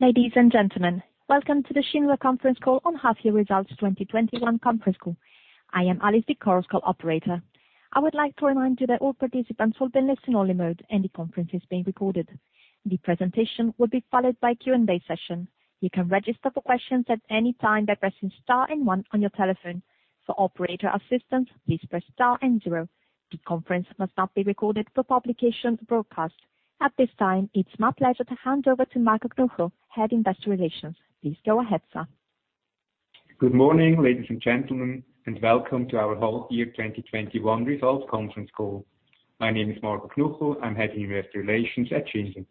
Ladies and gentlemen, welcome to the Schindler conference call on half-year results 2021 conference call. I am Alice, the conference call operator. I would like to remind you that all participants will be in listen-only mode, and the conference is being recorded. The presentation will be followed by a Q&A session. You can register for questions at any time by pressing star and one on your telephone. For operator assistance, please press star and zero. The conference must not be recorded for publication or broadcast. At this time, it's my pleasure to hand over to Marco Knuchel, Head of Investor Relations. Please go ahead, sir. Good morning, ladies and gentlemen, and welcome to our whole year 2021 results conference call. My name is Marco Knuchel. I am Head of Investor Relations at Schindler.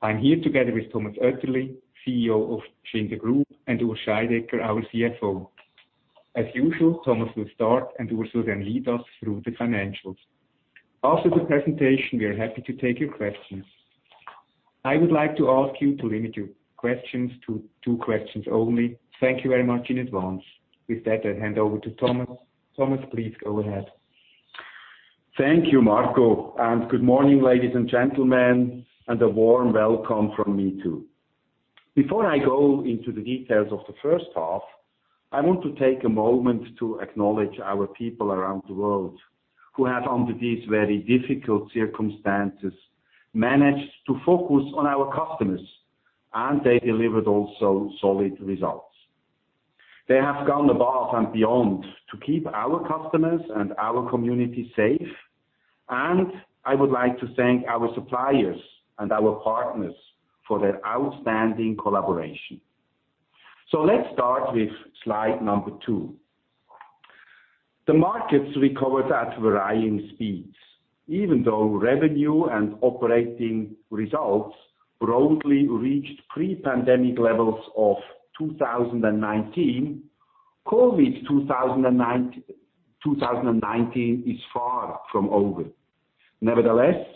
I am here together with Thomas Oetterli, CEO of Schindler Group, and Urs Scheidegger, our CFO. As usual, Thomas will start, Urs will then lead us through the financials. After the presentation, we are happy to take your questions. I would like to ask you to limit your questions to two questions only. Thank you very much in advance. With that, I hand over to Thomas. Thomas, please go ahead. Thank you, Marco, good morning, ladies and gentlemen, and a warm welcome from me, too. Before I go into the details of the first half, I want to take a moment to acknowledge our people around the world who have, under these very difficult circumstances, managed to focus on our customers, they delivered also solid results. They have gone above and beyond to keep our customers and our community safe, I would like to thank our suppliers and our partners for their outstanding collaboration. Let's start with slide number two. The markets recovered at varying speeds. Even though revenue and operating results broadly reached pre-pandemic levels of 2019, COVID-19 is far from over. Nevertheless,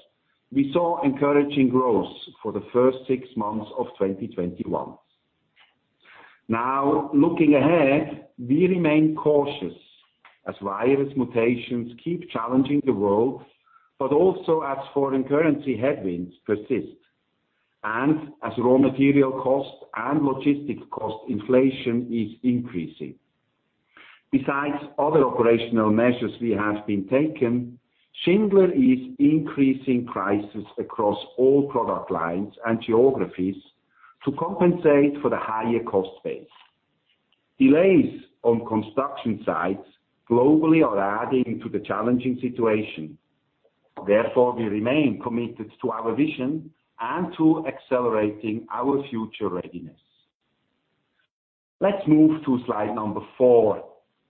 we saw encouraging growth for the first six months of 2021. Now, looking ahead, we remain cautious as virus mutations keep challenging the world, but also as foreign currency headwinds persist and as raw material cost and logistic cost inflation is increasing. Besides other operational measures we have been taking, Schindler is increasing prices across all product lines and geographies to compensate for the higher cost base. Delays on construction sites globally are adding to the challenging situation. Therefore, we remain committed to our vision and to accelerating our future readiness. Let's move to slide number four,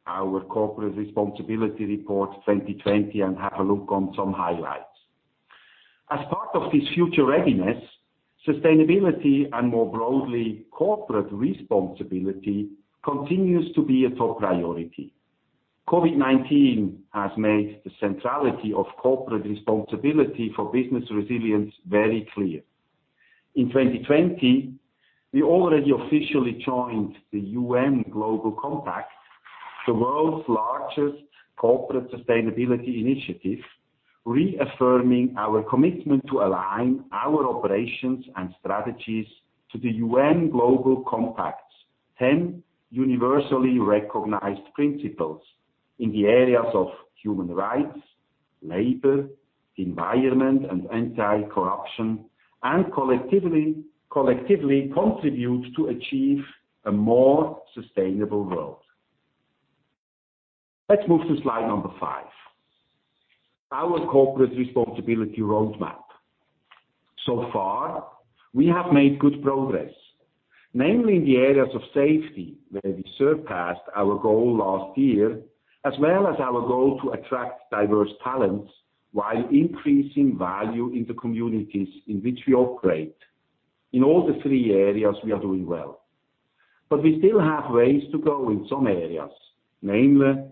our corporate responsibility report 2020, and have a look on some highlights. As part of this future readiness, sustainability and more broadly, corporate responsibility continues to be a top priority. COVID-19 has made the centrality of corporate responsibility for business resilience very clear. In 2020, we already officially joined the UN Global Compact, the world's largest corporate sustainability initiative, reaffirming our commitment to align our operations and strategies to the UN Global Compact's Ten Universally Recognized Principles in the areas of human rights, labor, environment, and anti-corruption, and collectively contribute to achieve a more sustainable world. Let's move to slide number five, our corporate responsibility roadmap. Far, we have made good progress, namely in the areas of safety, where we surpassed our goal last year, as well as our goal to attract diverse talents while increasing value in the communities in which we operate. In all the three areas, we are doing well. We still have ways to go in some areas, namely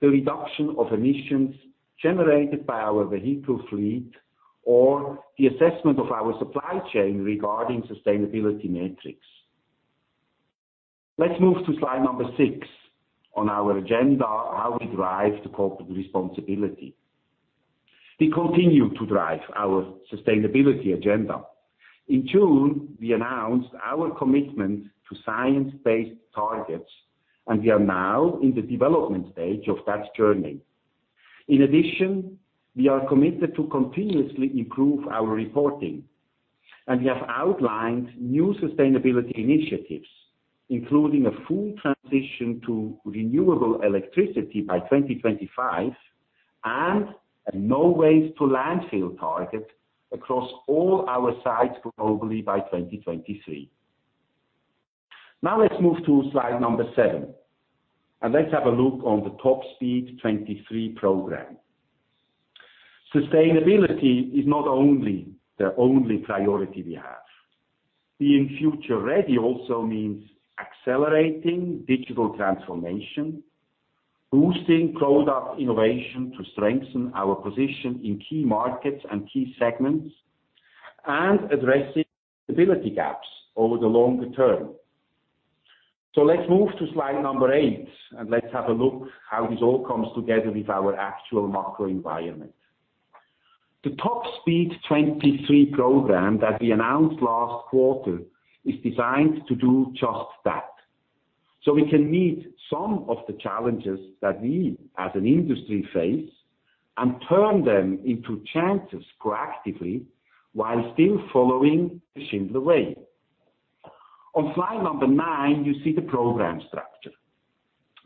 the reduction of emissions generated by our vehicle fleet or the assessment of our supply chain regarding sustainability metrics. Let's move to slide number six on our agenda, how we drive the corporate responsibility. We continue to drive our sustainability agenda. In June, we announced our commitment to science-based targets, and we are now in the development stage of that journey. In addition, we are committed to continuously improve our reporting, and we have outlined new sustainability initiatives, including a full transition to renewable electricity by 2025 and a no waste to landfill target across all our sites globally by 2023. Now let's move to slide number seven, and let's have a look on the Top Speed 23 program. Sustainability is not the only priority we have. Being future ready also means accelerating digital transformation, boosting product innovation to strengthen our position in key markets and key segments, and addressing stability gaps over the longer term. Let's move to slide number eight, and let's have a look how this all comes together with our actual macro environment. The Top Speed 23 program that we announced last quarter is designed to do just that, so we can meet some of the challenges that we as an industry face and turn them into chances proactively while still following the Schindler way. On slide number nine, you see the program structure.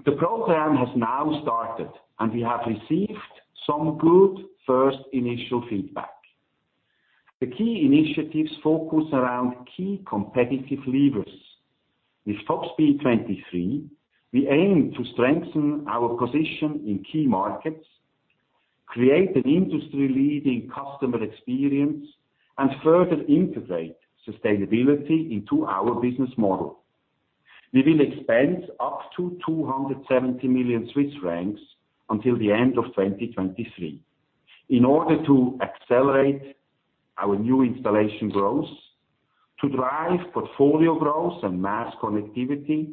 The program has now started, and we have received some good first initial feedback. The key initiatives focus around key competitive levers. With Top Speed 23, we aim to strengthen our position in key markets, create an industry-leading customer experience, and further integrate sustainability into our business model. We will expend up to 270 million Swiss francs until the end of 2023 in order to accelerate our new installation growth, to drive portfolio growth and mass connectivity,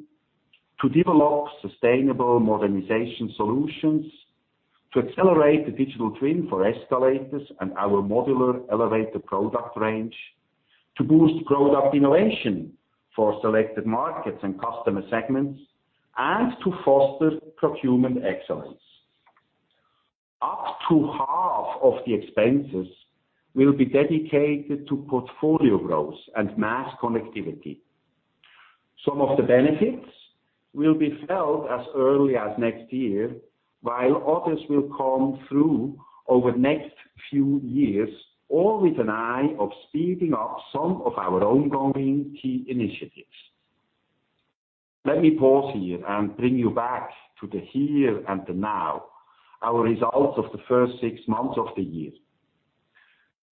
to develop sustainable modernization solutions, to accelerate the digital twin for escalators and our modular elevator product range, to boost product innovation for selected markets and customer segments, and to foster procurement excellence. Up to half of the expenses will be dedicated to portfolio growth and mass connectivity. Some of the benefits will be felt as early as next year, while others will come through over next few years, all with an eye of speeding up some of our ongoing key initiatives. Let me pause here and bring you back to the here and the now, our results of the first six months of the year.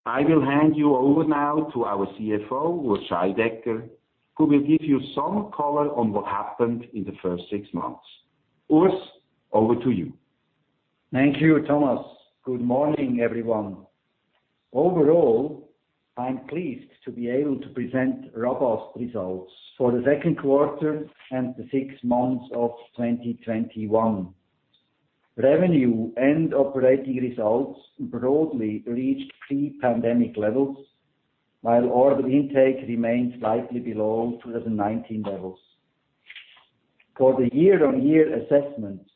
I will hand you over now to our CFO, Urs Scheidegger, who will give you some color on what happened in the first six months. Urs, over to you. Thank you, Thomas. Good morning, everyone. Overall, I'm pleased to be able to present robust results for the second quarter and the six months of 2021. Revenue and operating results broadly reached pre-pandemic levels, while order intake remains slightly below 2019 levels. For the year-over-year assessment,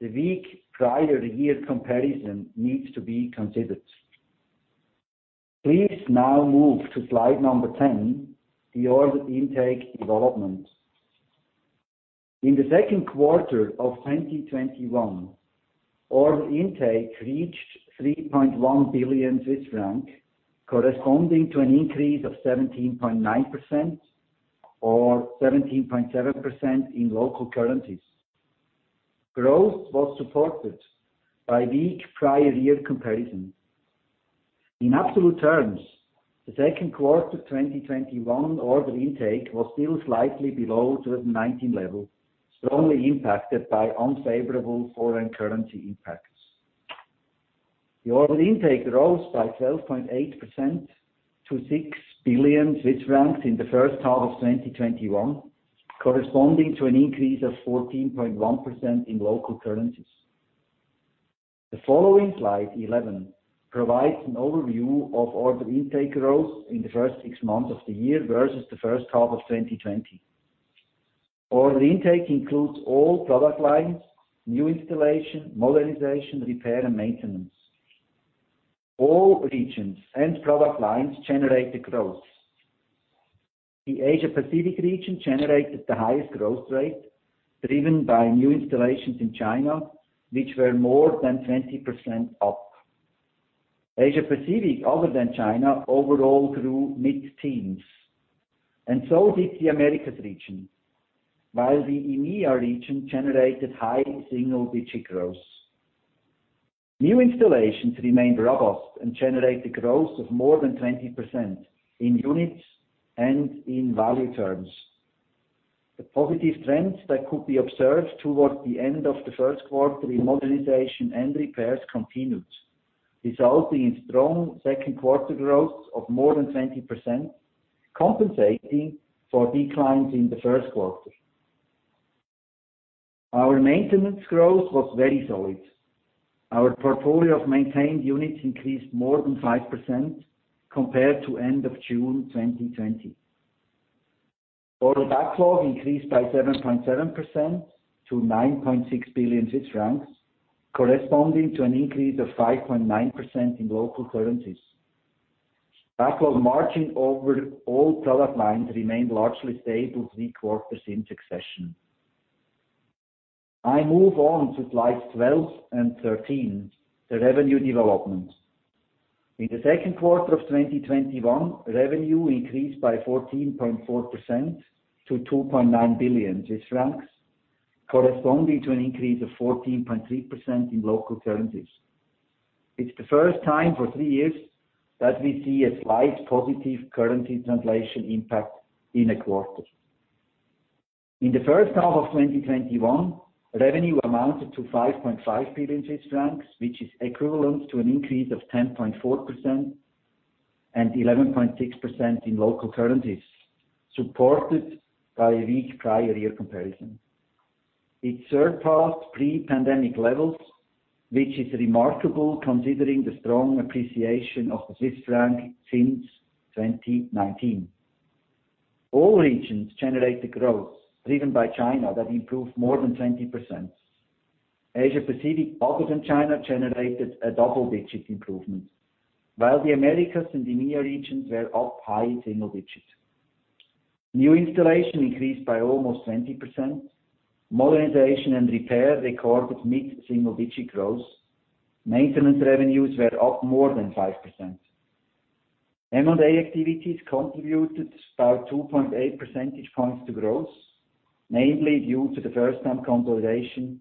the weak prior year comparison needs to be considered. Please now move to slide number 10, the order intake development. In the second quarter of 2021, order intake reached 3.1 billion Swiss francs, corresponding to an increase of 17.9% or 17.7% in local currencies. Growth was supported by weak prior year comparison. In absolute terms, the second quarter 2021 order intake was still slightly below 2019 level, strongly impacted by unfavorable foreign currency impacts. The order intake rose by 12.8% to 6 billion Swiss francs in the first half of 2021, corresponding to an increase of 14.1% in local currencies. The following slide, 11, provides an overview of order intake growth in the first six months of the year versus the first half of 2020. Order intake includes all product lines, new installation, modernization, repair, and maintenance. All regions and product lines generated growth. The Asia-Pacific region generated the highest growth rate, driven by new installations in China, which were more than 20% up. Asia-Pacific, other than China, overall grew mid-teens, and so did the Americas region, while the EMEA region generated high single-digit growth. New installations remained robust and generated growth of more than 20% in units and in value terms. The positive trends that could be observed towards the end of the first quarter in modernization and repairs continued, resulting in strong second quarter growth of more than 20%, compensating for declines in the first quarter. Our maintenance growth was very solid. Our portfolio of maintained units increased more than 5% compared to end of June 2020. Order backlog increased by 7.7% to 9.6 billion Swiss francs, corresponding to an increase of 5.9% in local currencies. Backlog margin over all product lines remained largely stable three quarters in succession. I move on to slides 12 and 13, the revenue development. In the second quarter of 2021, revenue increased by 14.4% to 2.9 billion, corresponding to an increase of 14.3% in local currencies. It's the first time for three years that we see a slight positive currency translation impact in a quarter. In the first half of 2021, revenue amounted to 5.5 billion Swiss francs, which is equivalent to an increase of 10.4% and 11.6% in local currencies, supported by a weak prior year comparison. It surpassed pre-pandemic levels, which is remarkable considering the strong appreciation of the Swiss franc since 2019. All regions generated growth, driven by China that improved more than 20%. Asia-Pacific, apart from China, generated a double-digit improvement, while the Americas and EMEA regions were up high single digits. New installation increased by almost 20%. Modernization and repair recorded mid-single digit growth. Maintenance revenues were up more than 5%. M&A activities contributed about 2.8 percentage points to growth, mainly due to the first-time consolidation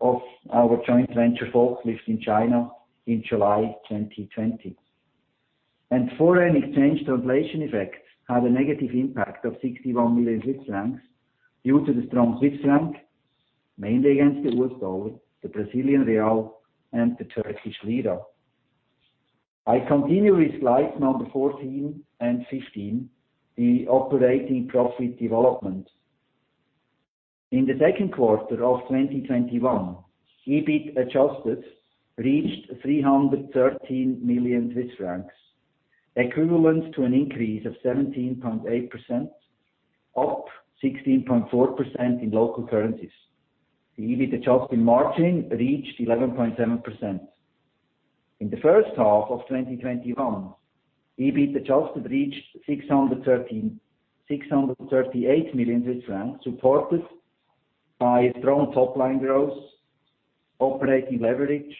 of our joint venture Volkslift in China in July 2020. Foreign exchange translation effect had a negative impact of 61 million due to the strong Swiss franc, mainly against the US dollar, the Brazilian real, and the Turkish lira. I continue with slide number 14 and 15, the operating profit development. In the second quarter of 2021, EBIT adjusted reached 313 million Swiss francs, equivalent to an increase of 17.8%, up 16.4% in local currencies. The EBIT adjusted margin reached 11.7%. In the first half of 2021, EBIT adjusted reached 638 million francs, supported by strong top-line growth, operating leverage,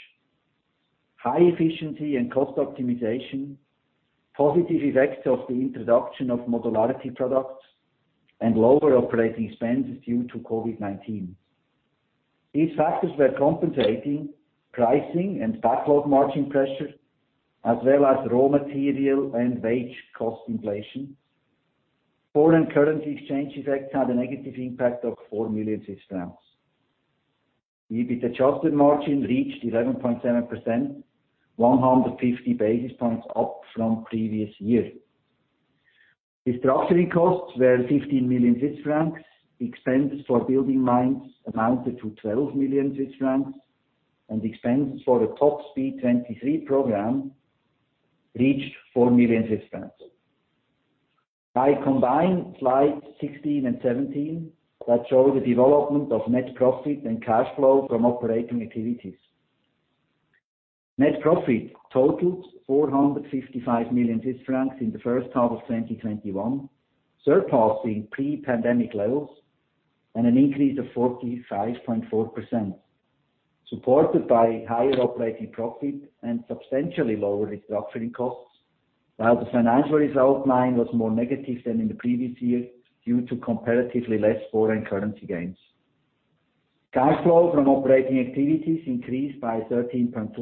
high efficiency, and cost optimization, positive effects of the introduction of modularity products, and lower operating expenses due to COVID-19. These factors were compensating pricing and backlog margin pressure, as well as raw material and wage cost inflation. Foreign currency exchange effect had a negative impact of 4 million. EBIT adjusted margin reached 11.7%, 150 basis points up from previous year. Restructuring costs were 15 million Swiss francs. Expenses for BuildingMinds amounted to 12 million Swiss francs, and expenses for the Top Speed 23 program reached CHF 4 million. I combine slide 16 and 17 that show the development of net profit and cash flow from operating activities. Net profit totaled 455 million francs in the first half of 2021, surpassing pre-COVID-19 levels and an increase of 45.4%, supported by higher operating profit and substantially lower restructuring costs, while the financial result line was more negative than in the previous year due to comparatively less foreign currency gains. Cash flow from operating activities increased by 13.4%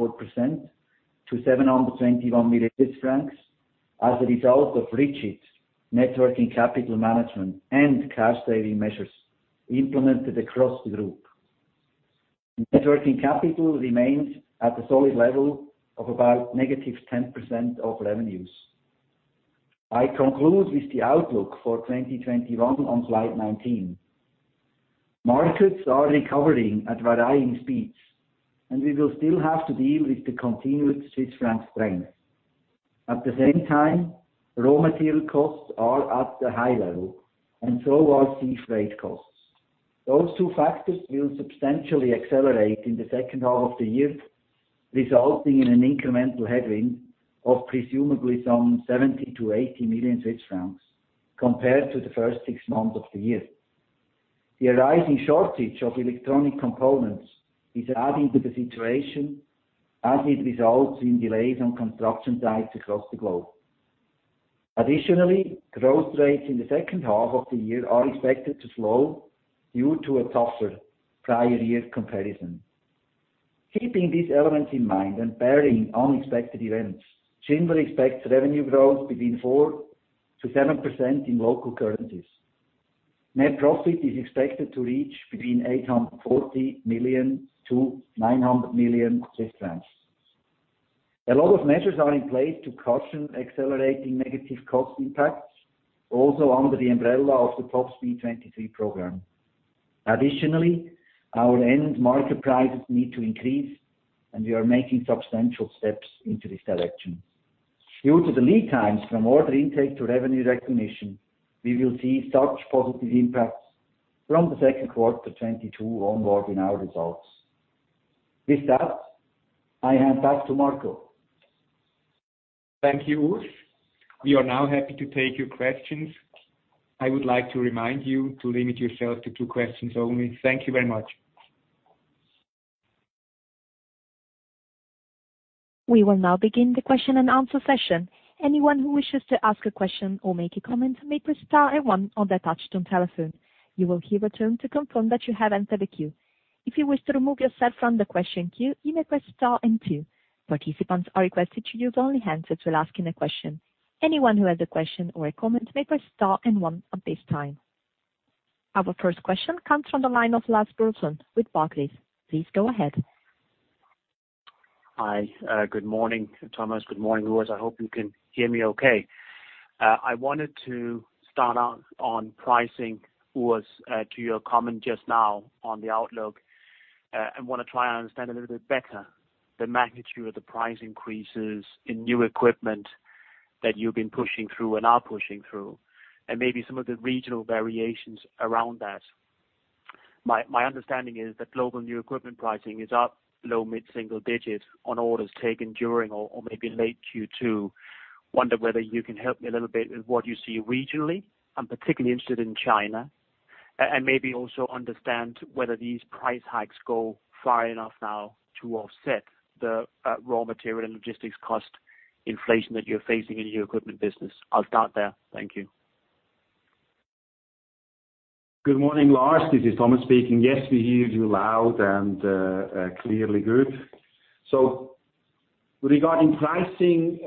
to 721 million francs as a result of rigid net working capital management and cost-saving measures implemented across the group. Net working capital remains at a solid level of about -10% of revenues. I conclude with the outlook for 2021 on slide 19. Markets are recovering at varying speeds, and we will still have to deal with the continued Swiss franc strength. At the same time, raw material costs are at a high level, and so are sea freight costs. Those two factors will substantially accelerate in the second half of the year, resulting in an incremental headwind of presumably some 70 million-80 million Swiss francs compared to the first six months of the year. The rising shortage of electronic components is adding to the situation, as it results in delays on construction sites across the globe. Additionally, growth rates in the second half of the year are expected to slow due to a tougher prior year comparison. Keeping these elements in mind and barring unexpected events, Schindler expects revenue growth between 4%-7% in local currencies. Net profit is expected to reach between 840 million-900 million Swiss francs. A lot of measures are in place to cushion accelerating negative cost impacts, also under the umbrella of the Top Speed 23 program. Additionally, our end-market prices need to increase, and we are making substantial steps into this direction. Due to the lead times from order intake to revenue recognition, we will see such positive impacts from the second quarter 2022 onward in our results. With that, I hand back to Marco. Thank you, Urs. We are now happy to take your questions. I would like to remind you to limit yourself to two questions only. Thank you very much. We will now beging the question-and-answer session. Anyone who wishes to ask a question or make a comment may press star then one on their touch-tone telephone. You will hear a tone to confirm that you have entered the queue. If you wish to remove yourself from the question queue, you may press star one then two. Anyone who has a quesiton or comment may press star then one at this time. Our first question comes from the line of Lars Brorson with Barclays. Please go ahead. Hi. Good morning, Thomas. Good morning, Urs. I hope you can hear me okay. I wanted to start on pricing, Urs, to your comment just now on the outlook. I want to try and understand a little bit better the magnitude of the price increases in new equipment that you've been pushing through and are pushing through, and maybe some of the regional variations around that. My understanding is that global new equipment pricing is up low mid-single digits on orders taken during or maybe late Q2. Wonder whether you can help me a little bit with what you see regionally. I'm particularly interested in China. Maybe also understand whether these price hikes go far enough now to offset the raw material and logistics cost inflation that you're facing in the new equipment business. I'll start there. Thank you. Good morning, Lars. This is Thomas speaking. Yes, we hear you loud and clearly. Good. Regarding pricing,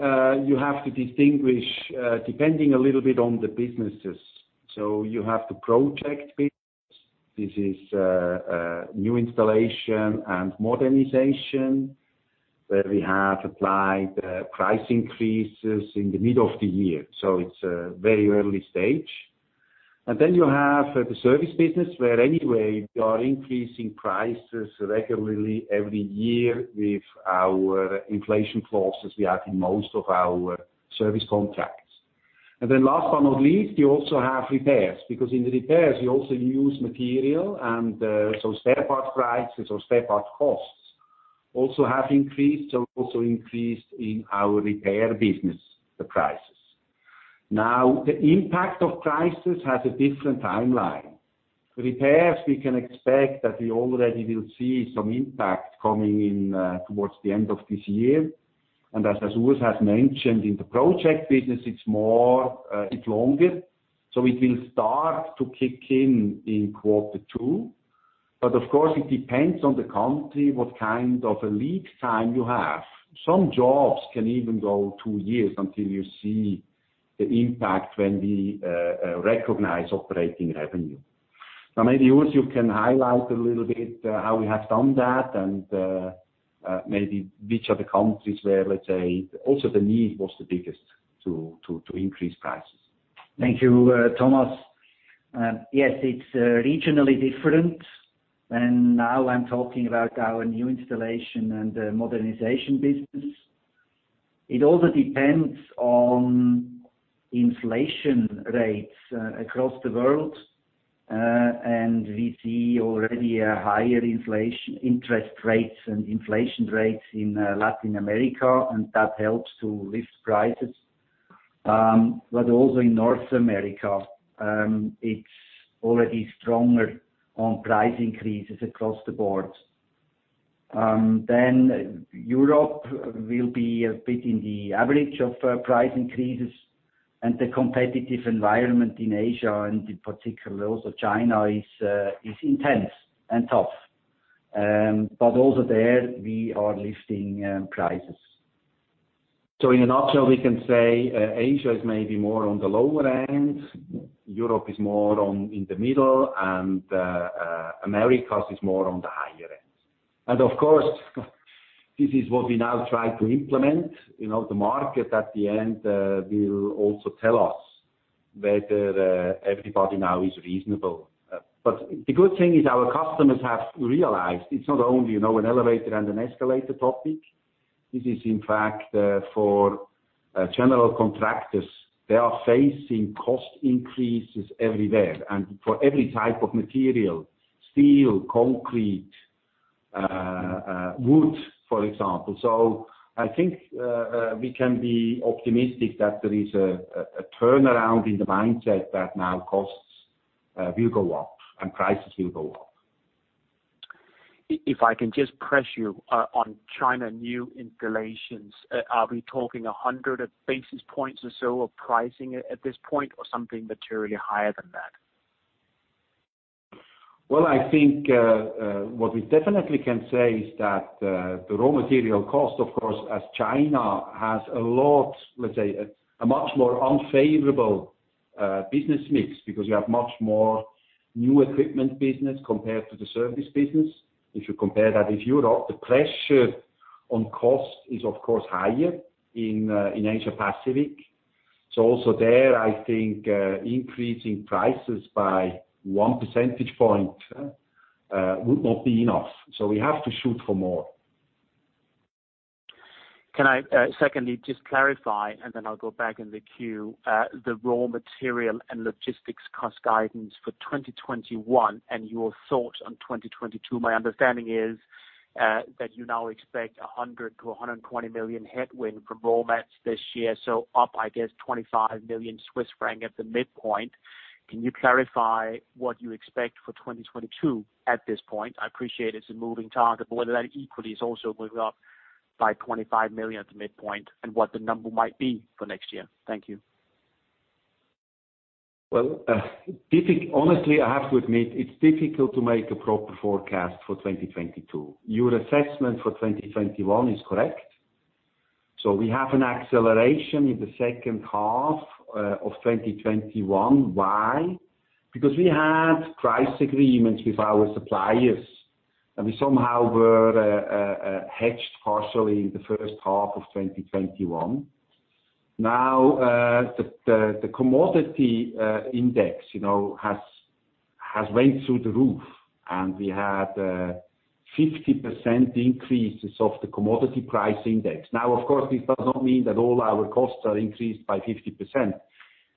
you have to distinguish, depending a little bit on the businesses. You have the project business. This is new installation and modernization, where we have applied price increases in the middle of the year. It's a very early stage. You have the service business, where anyway, we are increasing prices regularly every year with our inflation clauses we have in most of our service contracts. Last but not least, you also have repairs. In the repairs you also use material, spare part prices or spare part costs also have increased, so also increased in our repair business, the prices. The impact of prices has a different timeline. Repairs, we can expect that we already will see some impact coming in towards the end of this year. As Urs has mentioned, in the project business, it's longer. It will start to kick in in quarter two. Of course it depends on the country, what kind of a lead time you have. Some jobs can even go two years until you see the impact when we recognize operating revenue. Maybe, Urs, you can highlight a little bit how we have done that and maybe which are the countries where, let's say, also the need was the biggest to increase prices. Thank you, Thomas. Yes, it's regionally different. Now I'm talking about our new installation and modernization business. It also depends on inflation rates across the world. We see already a higher interest rates and inflation rates in Latin America, and that helps to lift prices. Also in North America, it's already stronger on price increases across the board. Europe will be a bit in the average of price increases. The competitive environment in Asia, and in particular also China, is intense and tough. Also there we are lifting prices. In a nutshell, we can say Asia is maybe more on the lower end, Europe is more in the middle, and Americas is more on the higher end. Of course, this is what we now try to implement. The market at the end will also tell us whether everybody now is reasonable. The good thing is our customers have realized it's not only an elevator and an escalator topic. This is in fact, for general contractors, they are facing cost increases everywhere, and for every type of material: steel, concrete, wood, for example. I think we can be optimistic that there is a turnaround in the mindset that now costs will go up and prices will go up. If I can just press you on China new installations. Are we talking 100 basis points or so of pricing at this point, or something materially higher than that? I think what we definitely can say is that the raw material cost, of course, as China has a lot, let's say a much more unfavorable business mix because you have much more new equipment business compared to the service business. If you compare that with Europe, the pressure on cost is of course higher in Asia Pacific. Also there, I think increasing prices by one percentage point would not be enough. We have to shoot for more. Can I secondly just clarify, and then I'll go back in the queue, the raw material and logistics cost guidance for 2021 and your thoughts on 2022. My understanding is that you now expect 100-120 million headwind from raw mats this year, so up, I guess 25 million Swiss franc at the midpoint. Can you clarify what you expect for 2022 at this point? I appreciate it's a moving target, but whether that equally is also moving up by 25 million at the midpoint and what the number might be for next year. Thank you. Well, honestly, I have to admit it is difficult to make a proper forecast for 2022. Your assessment for 2021 is correct. We have an acceleration in the second half of 2021. Why? We had price agreements with our suppliers, and we somehow were hedged partially in the first half of 2021. The commodity index has went through the roof, and we had 50% increases of the commodity price index. Of course, this does not mean that all our costs are increased by 50%.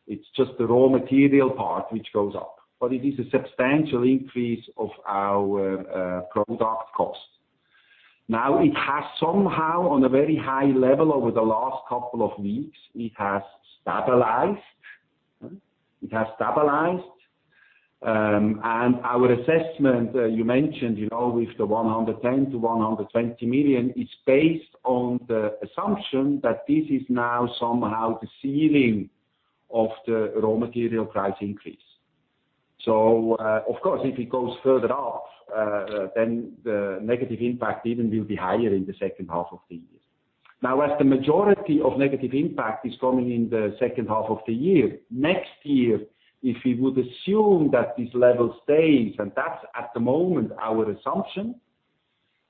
It is just the raw material part which goes up. It is a substantial increase of our product cost. It has somehow, on a very high level over the last couple of weeks, it has stabilized. Our assessment, you mentioned, with the 110 million-120 million, is based on the assumption that this is now somehow the ceiling of the raw material price increase. Of course, if it goes further up, then the negative impact even will be higher in the second half of the year. As the majority of negative impact is coming in the second half of the year, next year, if we would assume that this level stays, and that's at the moment our assumption,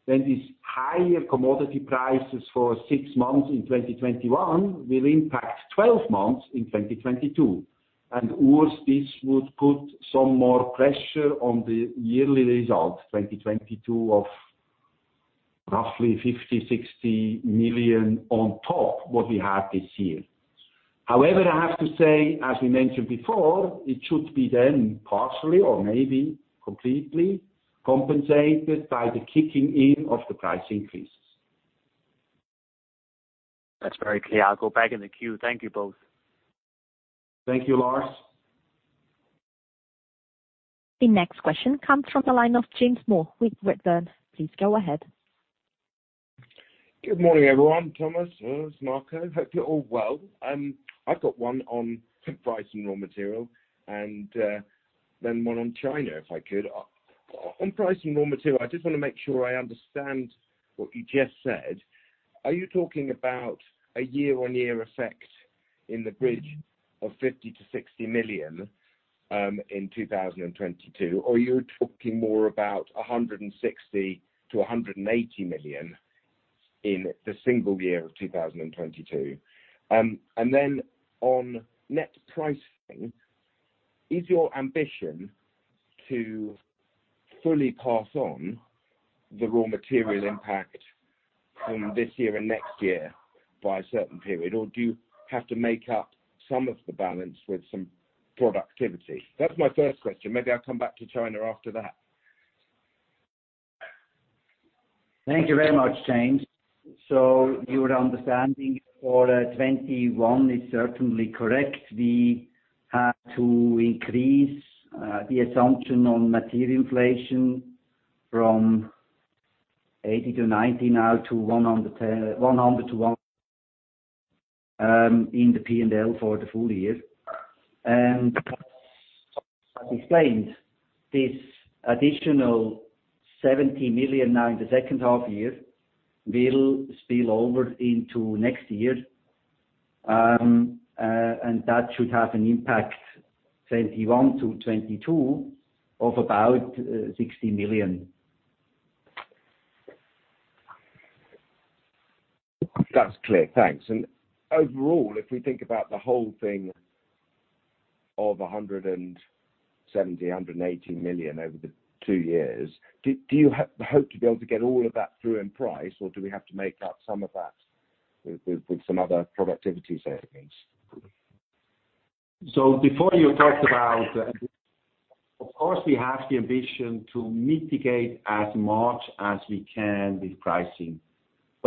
then these higher commodity prices for 6 months in 2021 will impact 12 months in 2022. Worse, this would put some more pressure on the yearly result, 2022, of roughly 50 million-60 million on top what we had this year. However, I have to say, as we mentioned before, it should be then partially or maybe completely compensated by the kicking in of the price increases. That's very clear. I'll go back in the queue. Thank you both. Thank you, Lars. The next question comes from the line of James Moore with Redburn. Please go ahead. Good morning, everyone. Thomas, Urs, Marco, hope you're all well. I've got one on pricing raw material and then one on China, if I could. On pricing raw material, I just want to make sure I understand what you just said. Are you talking about a year-on-year effect in the bridge of 50 million-60 million, in 2022? You're talking more about 160 million-180 million in the single year of 2022? On net pricing, is your ambition to fully pass on the raw material impact from this year and next year by a certain period? Do you have to make up some of the balance with some productivity? That's my first question. Maybe I'll come back to China after that. Thank you very much, James. Your understanding for 2021 is certainly correct. We had to increase the assumption on material inflation from 80 to 90, now to 100-120 in the P&L for the full year. As explained, this additional 70 million now in the second half year will spill over into next year, and that should have an impact 2021 to 2022 of about CHF 60 million. That's clear. Thanks. Overall, if we think about the whole thing of 170 million-180 million over the two years, do you hope to be able to get all of that through in price, or do we have to make up some of that with some other productivity savings? Of course, we have the ambition to mitigate as much as we can with pricing.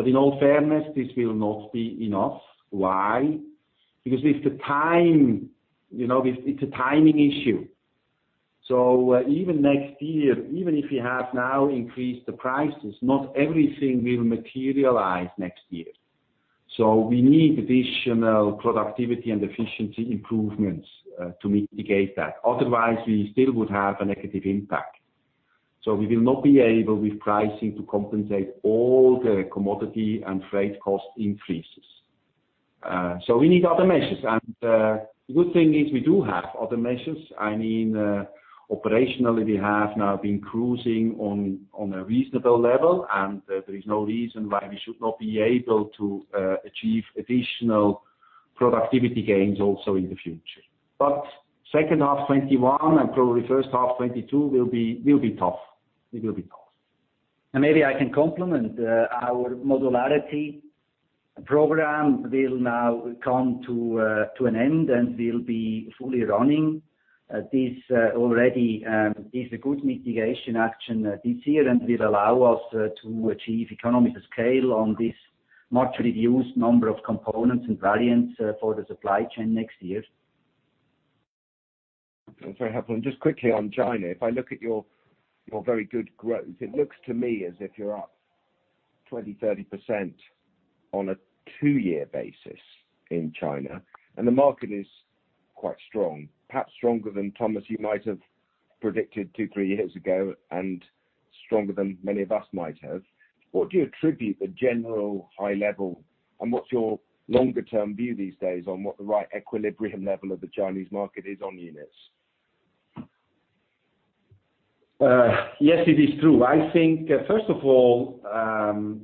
In all fairness, this will not be enough. Why? Because it's a timing issue. Even next year, even if we have now increased the prices, not everything will materialize next year. We need additional productivity and efficiency improvements to mitigate that. Otherwise, we still would have a negative impact. We will not be able, with pricing, to compensate all the commodity and freight cost increases. We need other measures, and good thing is we do have other measures. Operationally, we have now been cruising on a reasonable level, and there is no reason why we should not be able to achieve additional productivity gains also in the future. Second half 2021 and probably first half 2022 will be tough. Maybe I can complement. Our modularity program will now come to an end and will be fully running. This already is a good mitigation action this year and will allow us to achieve economies of scale on this much reduced number of components and variants for the supply chain next year. That's very helpful. Just quickly on China, if I look at your very good growth, it looks to me as if you're up 20%, 30% on a two-year basis in China, and the market is quite strong, perhaps stronger than Thomas, you might have predicted two, three years ago and stronger than many of us might have. What do you attribute the general high level, and what's your longer-term view these days on what the right equilibrium level of the Chinese market is on units? Yes, it is true. I think, first of all,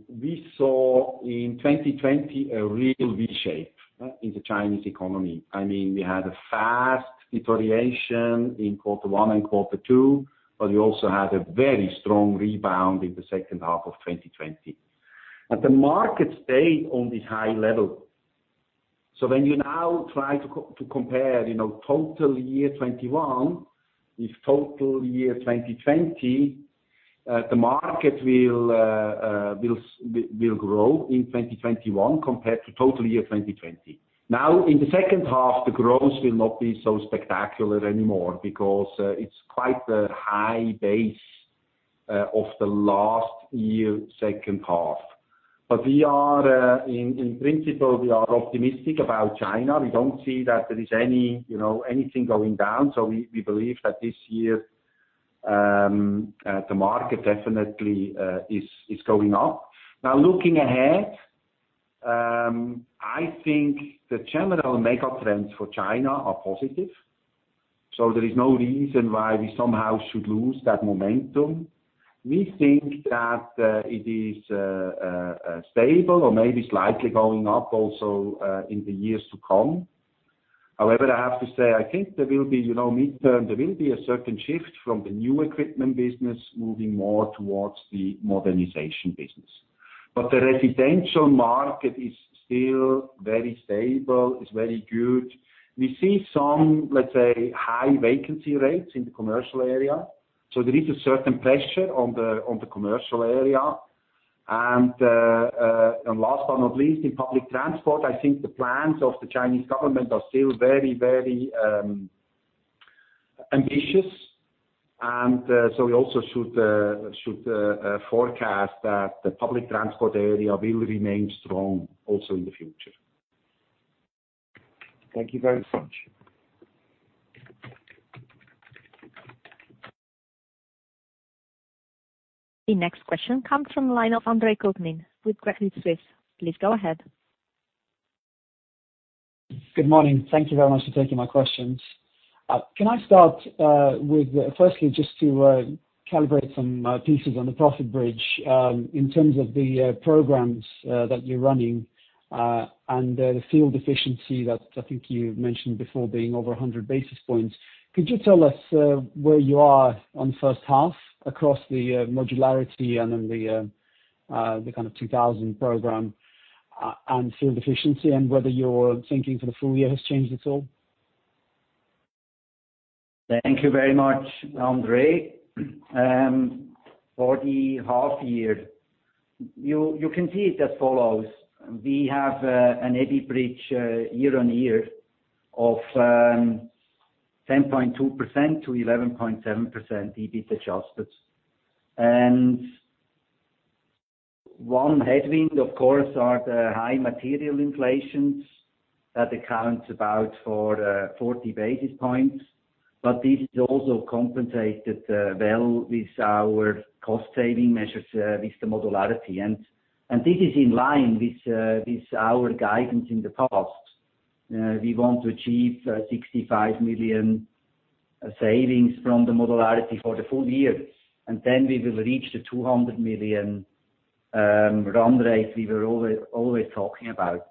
we saw in 2020 a real V-shape in the Chinese economy. We had a fast deterioration in quarter one and quarter two, but we also had a very strong rebound in the second half of 2020. The market stayed on this high level. When you now try to compare total year 2021 with total year 2020, the market will grow in 2021 compared to total year 2020. In the second half, the growth will not be so spectacular anymore because it's quite a high base of the last year second half. In principle, we are optimistic about China. We don't see that there is anything going down. We believe that this year, the market definitely is going up. Looking ahead, I think the general mega trends for China are positive. There is no reason why we somehow should lose that momentum. We think that it is stable or maybe slightly going up also in the years to come. I have to say, I think there will be midterm, there will be a certain shift from the new equipment business moving more towards the modernization business. The residential market is still very stable, is very good. We see some, let's say, high vacancy rates in the commercial area. There is a certain pressure on the commercial area. Last but not least, in public transport, I think the plans of the Chinese government are still very ambitious. We also should forecast that the public transport area will remain strong also in the future. Thank you very much. The next question comes from the line of Andre Kukhnin with Credit Suisse. Please go ahead. Good morning. Thank you very much for taking my questions. Can I start with firstly just to calibrate some pieces on the profit bridge, in terms of the programs that you're running, and the field efficiency that I think you mentioned before being over 100 basis points. Could you tell us where you are on first half across the modularity and then the kind of 2,000 Program, and field efficiency and whether your thinking for the full year has changed at all? Thank you very much, Andre. For the half year, you can see it as follows. We have an EBIT bridge year on year of 10.2% to 11.7% EBIT adjusted. One headwind, of course, are the high material inflations that accounts about for 40 basis points, but this is also compensated well with our cost-saving measures with the modularity. This is in line with our guidance in the past. We want to achieve 65 million savings from the modularity for the full year, and then we will reach the 200 million run rate we were always talking about.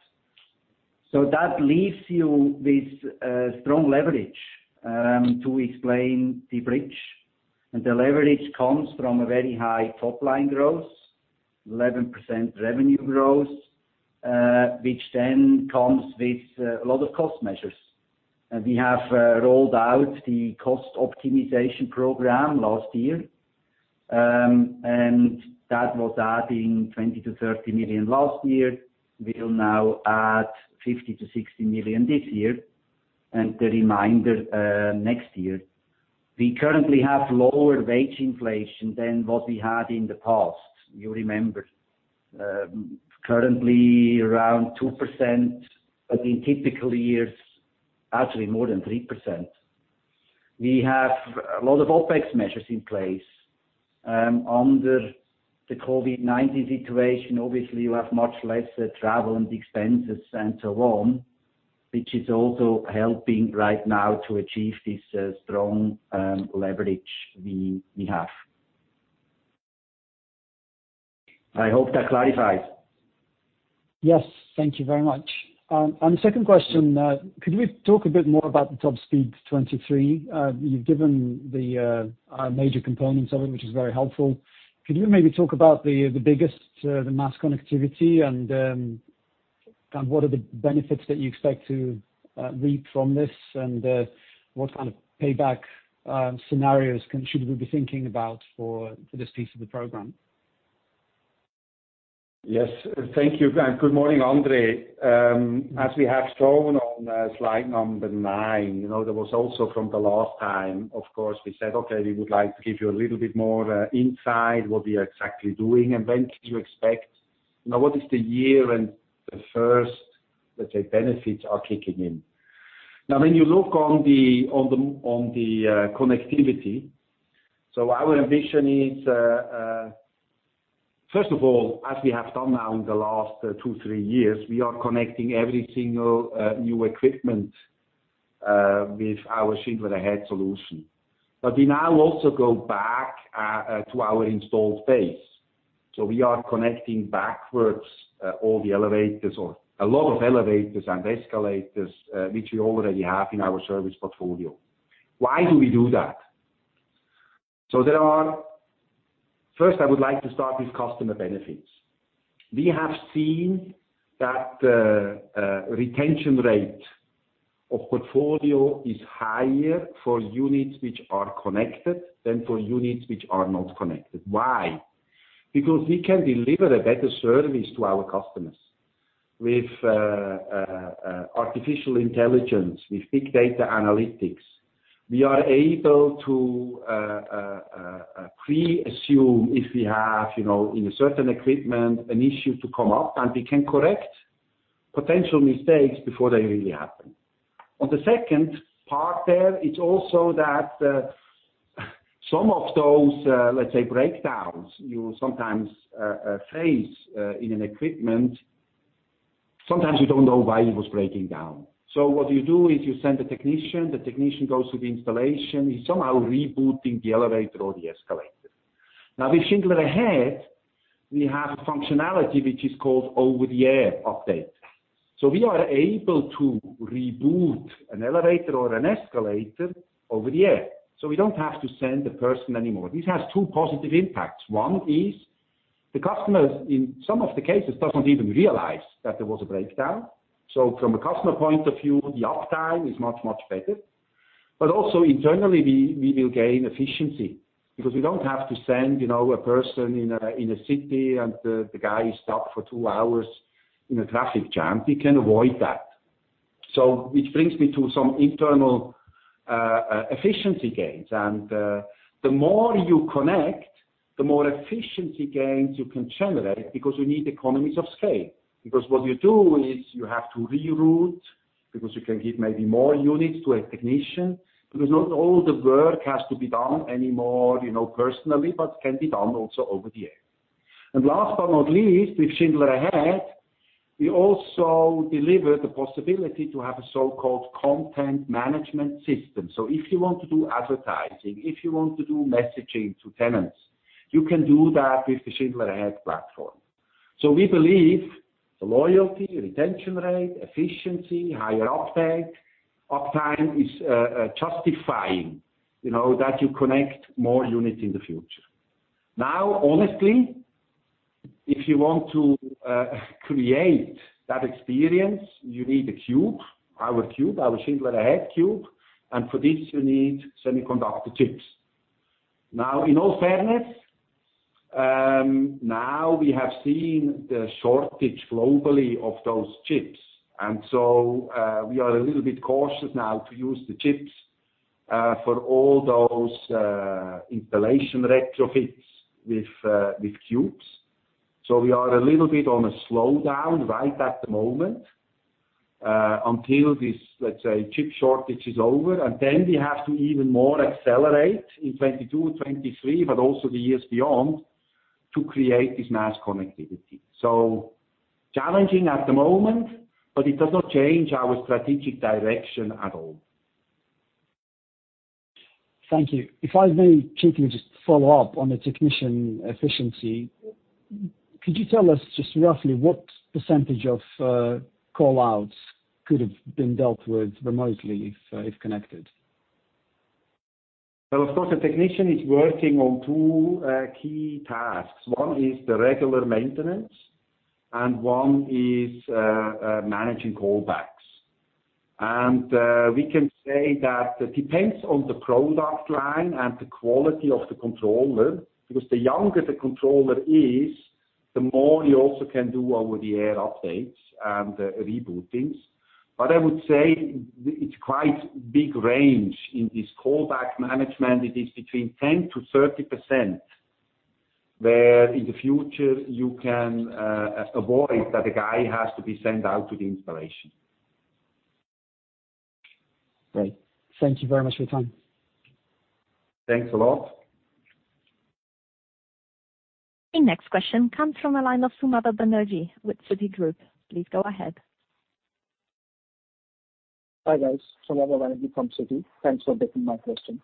That leaves you with strong leverage to explain the bridge. The leverage comes from a very high top-line growth, 11% revenue growth, which then comes with a lot of cost measures. We have rolled out the cost optimization program last year, that was adding 20 million-30 million last year. We will now add 50 million-60 million this year, and the remainder next year. We currently have lower wage inflation than what we had in the past. You remember, currently around 2%, but in typical years, actually more than 3%. We have a lot of OpEx measures in place. Under the COVID-19 situation, obviously, you have much less travel and expenses and so on, which is also helping right now to achieve this strong leverage we have. I hope that clarifies. Yes. Thank you very much. Second question, could we talk a bit more about the Top Speed 23? You've given the major components of it, which is very helpful. Could you maybe talk about the biggest, the mass connectivity and what are the benefits that you expect to reap from this, and what kind of payback scenarios should we be thinking about for this piece of the program? Yes. Thank you. Good morning, Andre. As we have shown on slide number nine, there was also from the last time, of course, we said, okay, we would like to give you a little bit more insight, what we are exactly doing, and when can you expect. Now, what is the year when the first, let's say, benefits are kicking in? When you look on the connectivity, our ambition is, first of all, as we have done now in the last two, three years, we are connecting every single new equipment with our Schindler Ahead solution. We now also go back to our installed base. We are connecting backwards all the elevators or a lot of elevators and escalators, which we already have in our service portfolio. Why do we do that? First, I would like to start with customer benefits. We have seen that retention rate of portfolio is higher for units which are connected than for units which are not connected. Why? Because we can deliver a better service to our customers with artificial intelligence, with big data analytics. We are able to pre-assume if we have in a certain equipment an issue to come up, and we can correct potential mistakes before they really happen. On the second part there, it's also that some of those, let's say, breakdowns you sometimes face in an equipment, sometimes you don't know why it was breaking down. What you do is you send a technician, the technician goes to the installation, he's somehow rebooting the elevator or the escalator. Now, with Schindler Ahead, we have a functionality which is called Over-the-Air update. We are able to reboot an elevator or an escalator Over-the-Air, so we don't have to send a person anymore. This has two positive impacts. One is the customers, in some of the cases, doesn't even realize that there was a breakdown. From a customer point of view, the uptime is much, much better. Also internally, we will gain efficiency because we don't have to send a person in a city and the guy is stuck for two hours in a traffic jam. We can avoid that. Which brings me to some internal efficiency gains. The more you connect, the more efficiency gains you can generate because you need economies of scale. What you do is you have to reroute because you can give maybe more units to a technician, because not all the work has to be done anymore personally, but can be done also over the air. Last but not least, with Schindler Ahead, we also deliver the possibility to have a so-called content management system. If you want to do advertising, if you want to do messaging to tenants, you can do that with the Schindler Ahead platform. We believe the loyalty, retention rate, efficiency, higher uptake, uptime is justifying that you connect more units in the future. Now, honestly, if you want to create that experience, you need a cube, our cube, our Schindler Ahead CUBE, and for this you need semiconductor chips. Now, in all fairness, now we have seen the shortage globally of those chips. We are a little bit cautious now to use the chips for all those installation retrofits with cubes. We are a little bit on a slowdown right at the moment until this, let's say, chip shortage is over. We have to even more accelerate in 2022, 2023, but also the years beyond, to create this mass connectivity. Challenging at the moment, but it does not change our strategic direction at all. Thank you. If I may quickly just follow up on the technician efficiency. Could you tell us just roughly what percentage of call-outs could have been dealt with remotely if connected? Well, of course, the technician is working on two key tasks. One is the regular maintenance and one is managing callbacks. We can say that it depends on the product line and the quality of the controller, because the younger the controller is, the more you also can do Over-the-Air updates and rebootings. I would say it's quite big range in this callback management. It is between 10%-30% where in the future you can avoid that a guy has to be sent out to the installation. Great. Thank you very much for your time. Thanks a lot. The next question comes from the line of Soma Banerjee with Citigroup. Please go ahead. Hi, guys. Soma Banerjee from Citi. Thanks for taking my questions.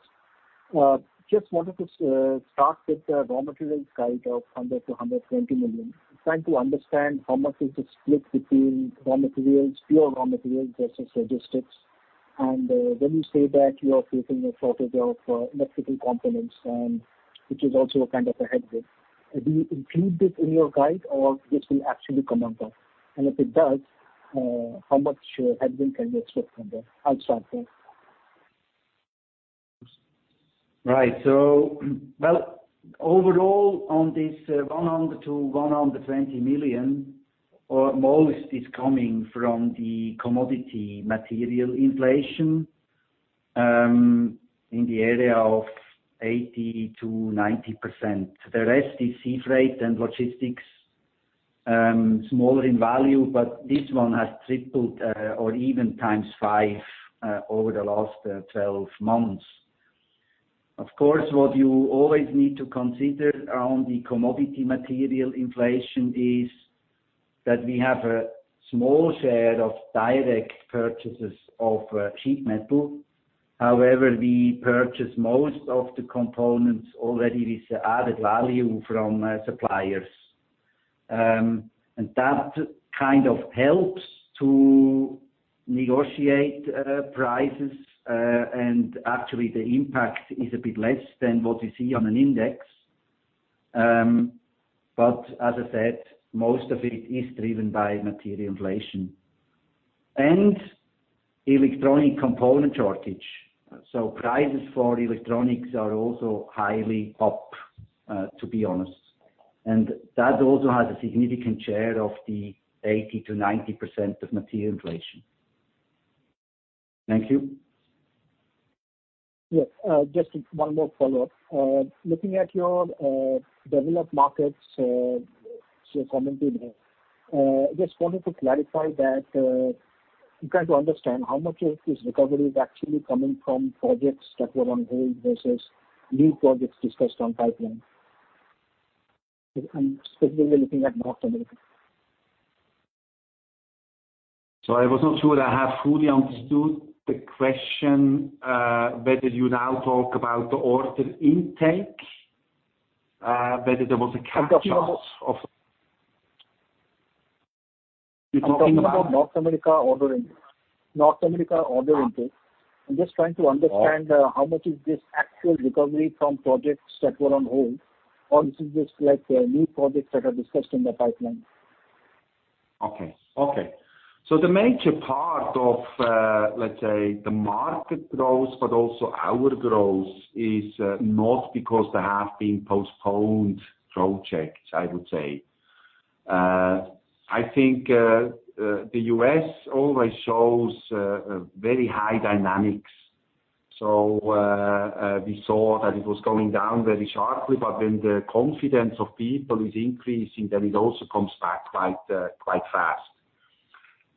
Just wanted to start with the raw materials guide of 100 million-120 million. Trying to understand how much is the split between raw materials, pure raw materials versus logistics. When you say that you are facing a shortage of electrical components, which is also a kind of a headwind, do you include this in your guide or this will actually come under? If it does, how much headwind can we expect from the outside there? Right. Well, overall, on this 100 million-120 million, or most is coming from the commodity material inflation. In the area of 80% to 90%. The rest is sea freight and logistics, smaller in value, but this one has tripled, or even times five over the last 12 months. What you always need to consider around the commodity material inflation is that we have a small share of direct purchases of sheet metal. We purchase most of the components already with added value from suppliers. That kind of helps to negotiate prices. Actually, the impact is a bit less than what you see on an index. As I said, most of it is driven by material inflation and electronic component shortage. Prices for electronics are also highly up, to be honest, and that also has a significant share of the 80%-90% of material inflation. Thank you. Yes, just one more follow-up. Looking at your developed markets, so commenting here, just wanted to clarify that, I'm trying to understand how much of this recovery is actually coming from projects that were on hold versus new projects discussed on pipeline. I'm specifically looking at North America. I was not sure I have fully understood the question, whether you now talk about the order intake. I'm talking about North America order intake. I'm just trying to understand how much is this actual recovery from projects that were on hold, or this is just new projects that are discussed in the pipeline. Okay. The major part of, let's say, the market growth, but also our growth, is not because there have been postponed projects, I would say. I think the U.S. always shows very high dynamics. We saw that it was going down very sharply, but when the confidence of people is increasing, then it also comes back quite fast.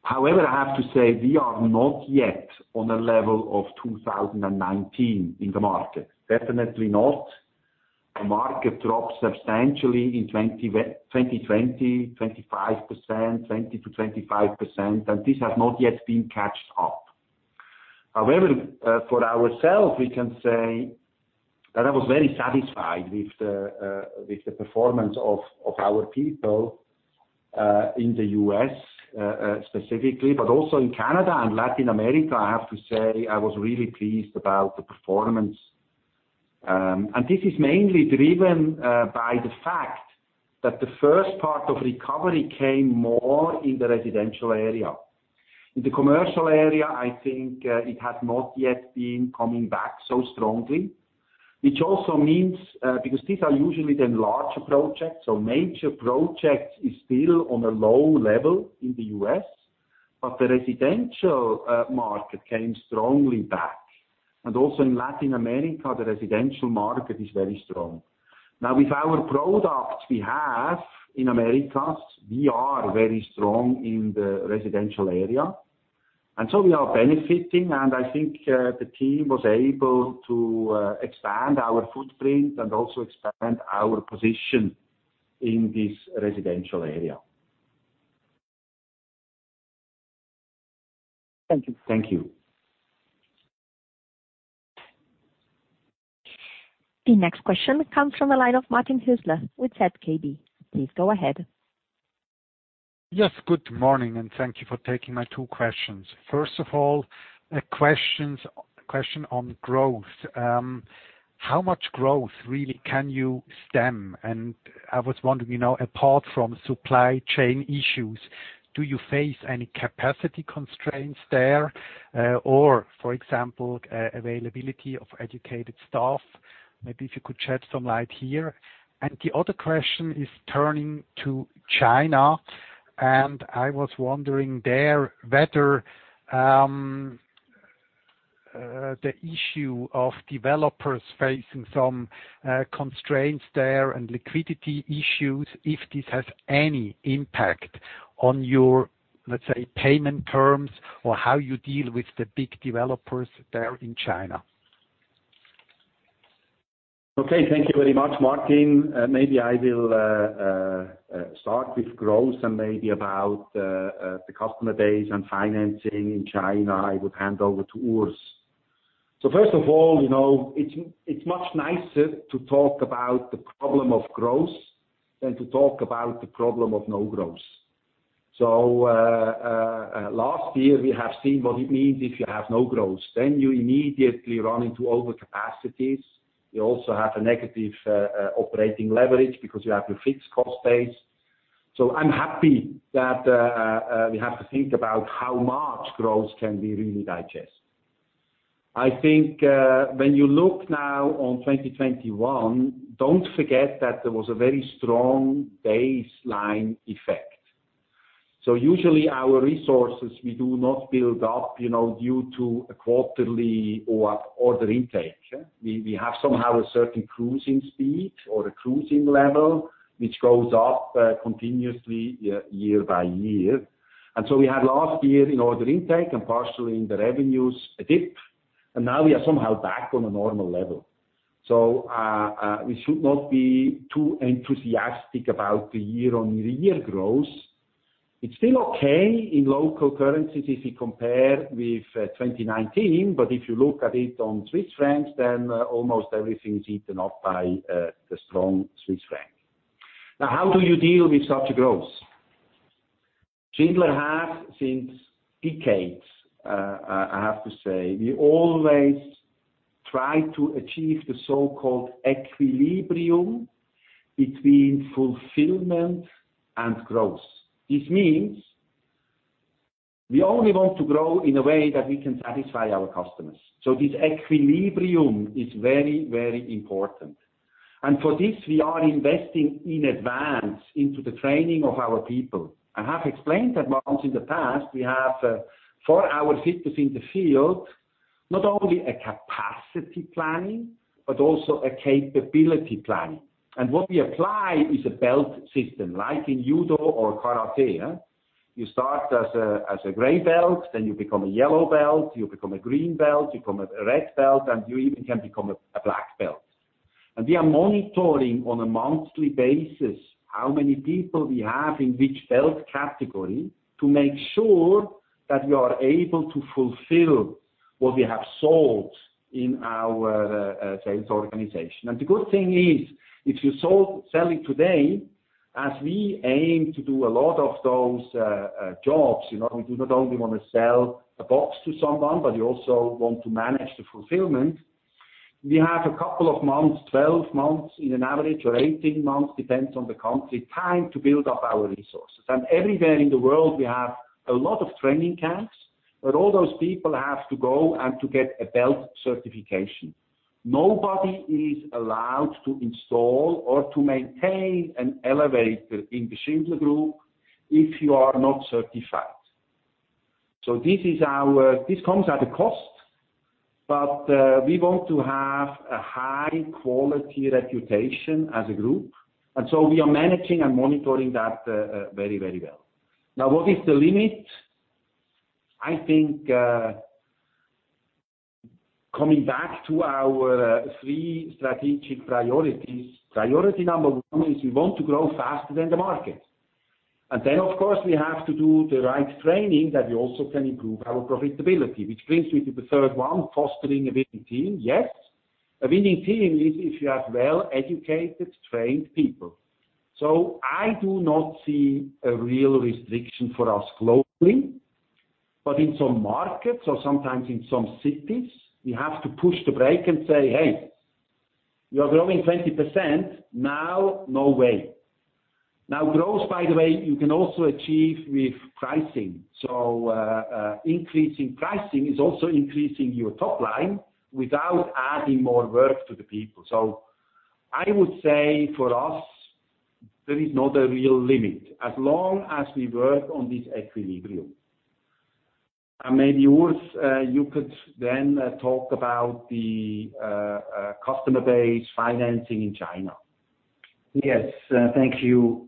However, I have to say we are not yet on a level of 2019 in the market. Definitely not. The market dropped substantially in 2020, 20%-25%, and this has not yet been caught up. However, for ourselves, we can say that I was very satisfied with the performance of our people, in the U.S., specifically, but also in Canada and Latin America, I have to say I was really pleased about the performance. This is mainly driven by the fact that the first part of recovery came more in the residential area. In the commercial area, I think it has not yet been coming back so strongly, which also means, because these are usually the larger projects or major projects, is still on a low level in the U.S., but the residential market came strongly back. Also in Latin America, the residential market is very strong. Now with our products we have in Americas, we are very strong in the residential area, and so we are benefiting. I think the team was able to expand our footprint and also expand our position in this residential area. Thank you. Thank you. The next question comes from the line of Martin Hüsler with ZKB. Please go ahead. Yes, good morning, and thank you for taking my two questions. First of all, a question on growth. How much growth really can you stem? I was wondering, apart from supply chain issues, do you face any capacity constraints there? Or for example, availability of educated staff? Maybe if you could shed some light here. The other question is turning to China, and I was wondering there whether the issue of developers facing some constraints there and liquidity issues, if this has any impact on your, let's say, payment terms or how you deal with the big developers there in China. Thank you very much, Martin. Maybe I will start with growth and maybe about the customer base and financing in China, I would hand over to Urs. First of all, it's much nicer to talk about the problem of growth than to talk about the problem of no growth. Last year we have seen what it means if you have no growth, then you immediately run into over capacities. You also have a negative operating leverage because you have a fixed cost base. I'm happy that we have to think about how much growth can we really digest. When you look now on 2021, don't forget that there was a very strong baseline effect. Usually our resources, we do not build up due to a quarterly order intake. We have somehow a certain cruising speed or a cruising level, which goes up continuously year by year. We had last year in order intake and partially in the revenues, a dip, and now we are somehow back on a normal level. We should not be too enthusiastic about the year-on-year growth. It's still okay in local currencies if you compare with 2019, but if you look at it on Swiss francs, then almost everything is eaten up by the strong Swiss franc. How do you deal with such a growth? Schindler has since decades, I have to say, we always try to achieve the so-called equilibrium between fulfillment and growth. This means we only want to grow in a way that we can satisfy our customers. This equilibrium is very important. For this, we are investing in advance into the training of our people. I have explained that once in the past, we have, for our people in the field, not only a capacity planning, but also a capability planning. What we apply is a belt system, like in judo or karate. You start as a gray belt, then you become a yellow belt, you become a green belt, you become a red belt, and you even can become a black belt. We are monitoring on a monthly basis how many people we have in which belt category to make sure that we are able to fulfill what we have sold in our sales organization. The good thing is, if you're selling today, as we aim to do a lot of those jobs, we do not only want to sell a box to someone, but we also want to manage the fulfillment. We have a couple of months, 12 months in an average or 18 months, depends on the country, time to build up our resources. Everywhere in the world, we have a lot of training camps, where all those people have to go and to get a belt certification. Nobody is allowed to install or to maintain an elevator in the Schindler Group if you are not certified. This comes at a cost, but we want to have a high-quality reputation as a group, and so we are managing and monitoring that very well. Now, what is the limit? I think, coming back to our three strategic priorities, priority number one is we want to grow faster than the market. Of course, we have to do the right training that we also can improve our profitability, which brings me to the third one, fostering a winning team. Yes, a winning team is if you have well-educated, trained people. I do not see a real restriction for us globally, but in some markets or sometimes in some cities, we have to push the brake and say, "Hey, we are growing 20%, now, no way." Now growth, by the way, you can also achieve with pricing. Increasing pricing is also increasing your top line without adding more work to the people. I would say for us, there is not a real limit as long as we work on this equilibrium. Maybe Urs, you could then talk about the customer base financing in China. Yes. Thank you.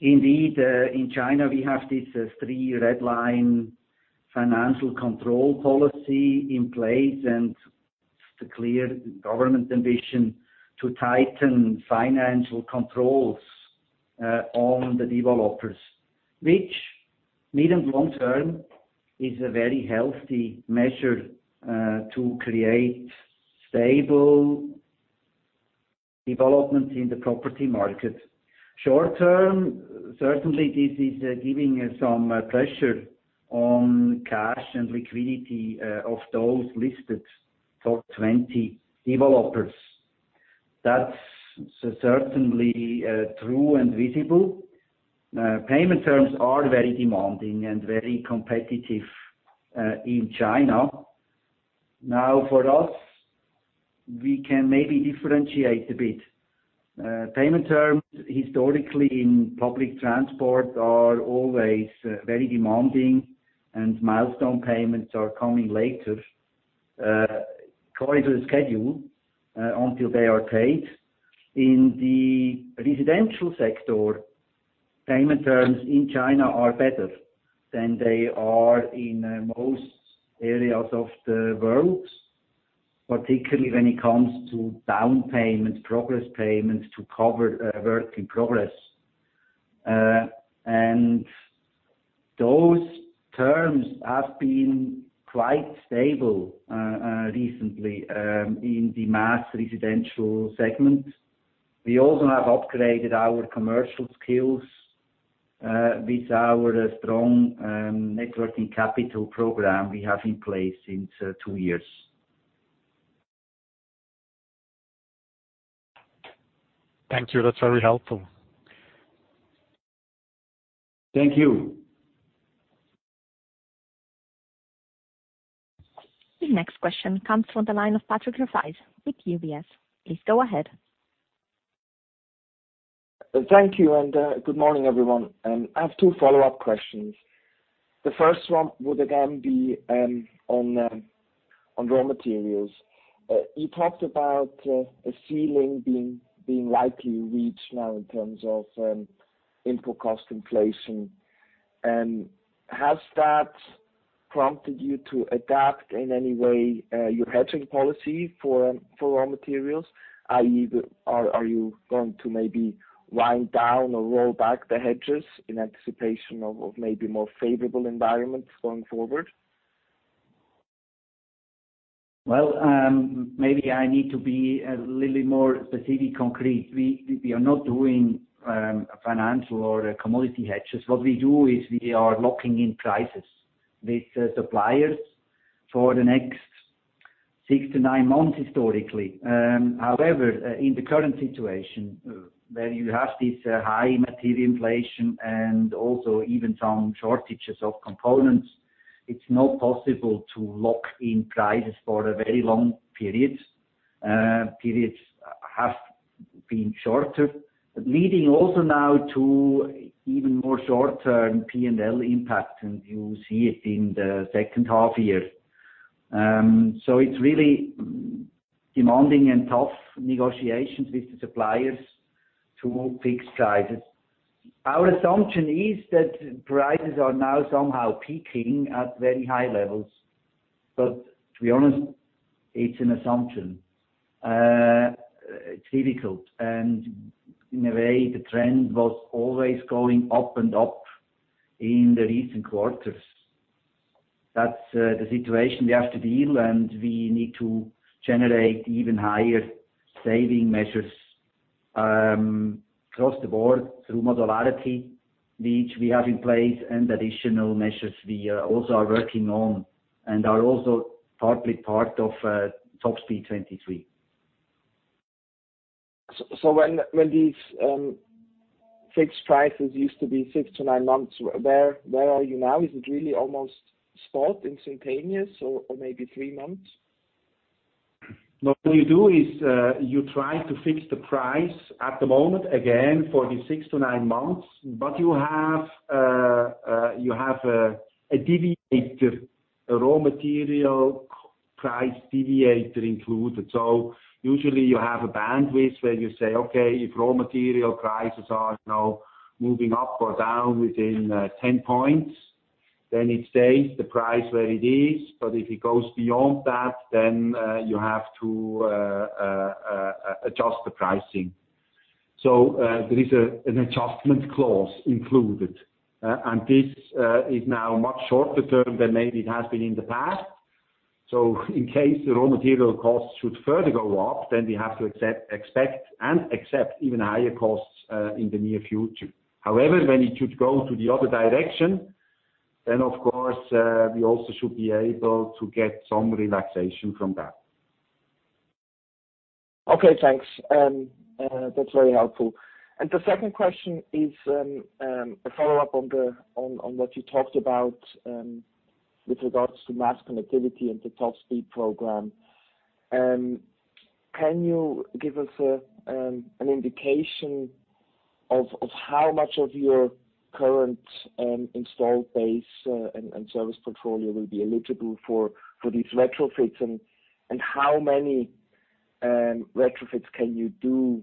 Indeed, in China, we have this three red line financial control policy in place and the clear government ambition to tighten financial controls on the developers, which mid and long term is a very healthy measure to create stable development in the property market. Short term, certainly this is giving some pressure on cash and liquidity of those listed top 20 developers. That's certainly true and visible. Payment terms are very demanding and very competitive in China. For us, we can maybe differentiate a bit. Payment terms historically in public transport are always very demanding, and milestone payments are coming later according to the schedule, until they are paid. In the residential sector, payment terms in China are better than they are in most areas of the world, particularly when it comes to down payments, progress payments to cover work in progress. Those terms have been quite stable recently in the mass residential segment. We also have upgraded our commercial skills with our strong networking capital program we have in place since two years. Thank you. That's very helpful. Thank you. The next question comes from the line of Patrick Rafaisz with UBS. Please go ahead. Thank you, and good morning, everyone. I have two follow-up questions. The first one would again be on raw materials. You talked about a ceiling being likely reached now in terms of input cost inflation. Has that prompted you to adapt in any way your hedging policy for raw materials, i.e., are you going to maybe wind down or roll back the hedges in anticipation of maybe more favorable environments going forward? Well, maybe I need to be a little more specific, concrete. We are not doing financial or commodity hedges. What we do is we are locking in prices with suppliers for the next six to nine months historically. However, in the current situation, where you have this high material inflation and also even some shortages of components, it's not possible to lock in prices for very long periods. Periods have been shorter, leading also now to even more short-term P&L impact, and you see it in the second half year. It's really demanding and tough negotiations with the suppliers to fix prices. Our assumption is that prices are now somehow peaking at very high levels. But to be honest, it's an assumption. It's difficult, and in a way, the trend was always going up and up in the recent quarters. That's the situation we have to deal, and we need to generate even higher saving measures across the board through modularity, which we have in place, and additional measures we also are working on and are also partly part of Top Speed 23. When these fixed prices used to be six to nine months, where are you now? Is it really almost spot instantaneous or maybe three months? What you do is you try to fix the price at the moment, again, for the six to nine months, but you have a raw material price deviator included. Usually you have a bandwidth where you say, "Okay, if raw material prices are now moving up or down within 10 points, then it stays the price where it is. If it goes beyond that, then you have to adjust the pricing." There is an adjustment clause included, and this is now much shorter term than maybe it has been in the past. In case the raw material costs should further go up, then we have to expect and accept even higher costs in the near future. However, when it should go to the other direction, then of course, we also should be able to get some relaxation from that. Okay, thanks. That's very helpful. The second question is a follow-up on what you talked about with regards to mass connectivity and the Top Speed program. Can you give us an indication of how much of your current installed base and service portfolio will be eligible for these retrofits, and how many retrofits can you do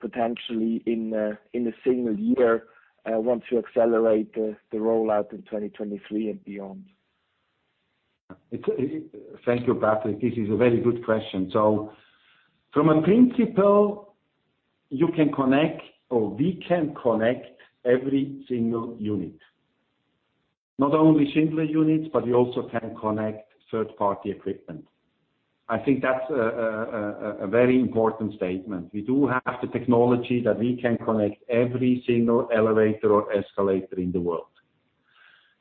potentially in a single year once you accelerate the rollout in 2023 and beyond? Thank you, Patrick. This is a very good question. From a principle, you can connect, or we can connect every single unit. Not only Schindler units, but we also can connect third-party equipment. I think that's a very important statement. We do have the technology that we can connect every single elevator or escalator in the world.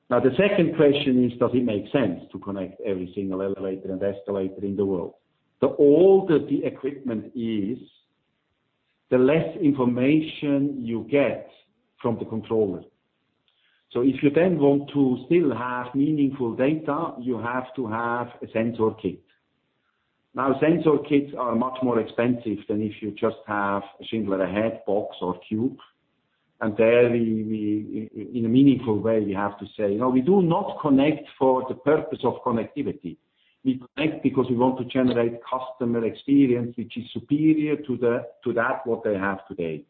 The second question is, does it make sense to connect every single elevator and escalator in the world? The older the equipment is, the less information you get from the controller. If you then want to still have meaningful data, you have to have a sensor kit. Sensor kits are much more expensive than if you just have a Schindler Ahead box or CUBE. There, in a meaningful way, we have to say, "No, we do not connect for the purpose of connectivity. We connect because we want to generate customer experience which is superior to that what they have today.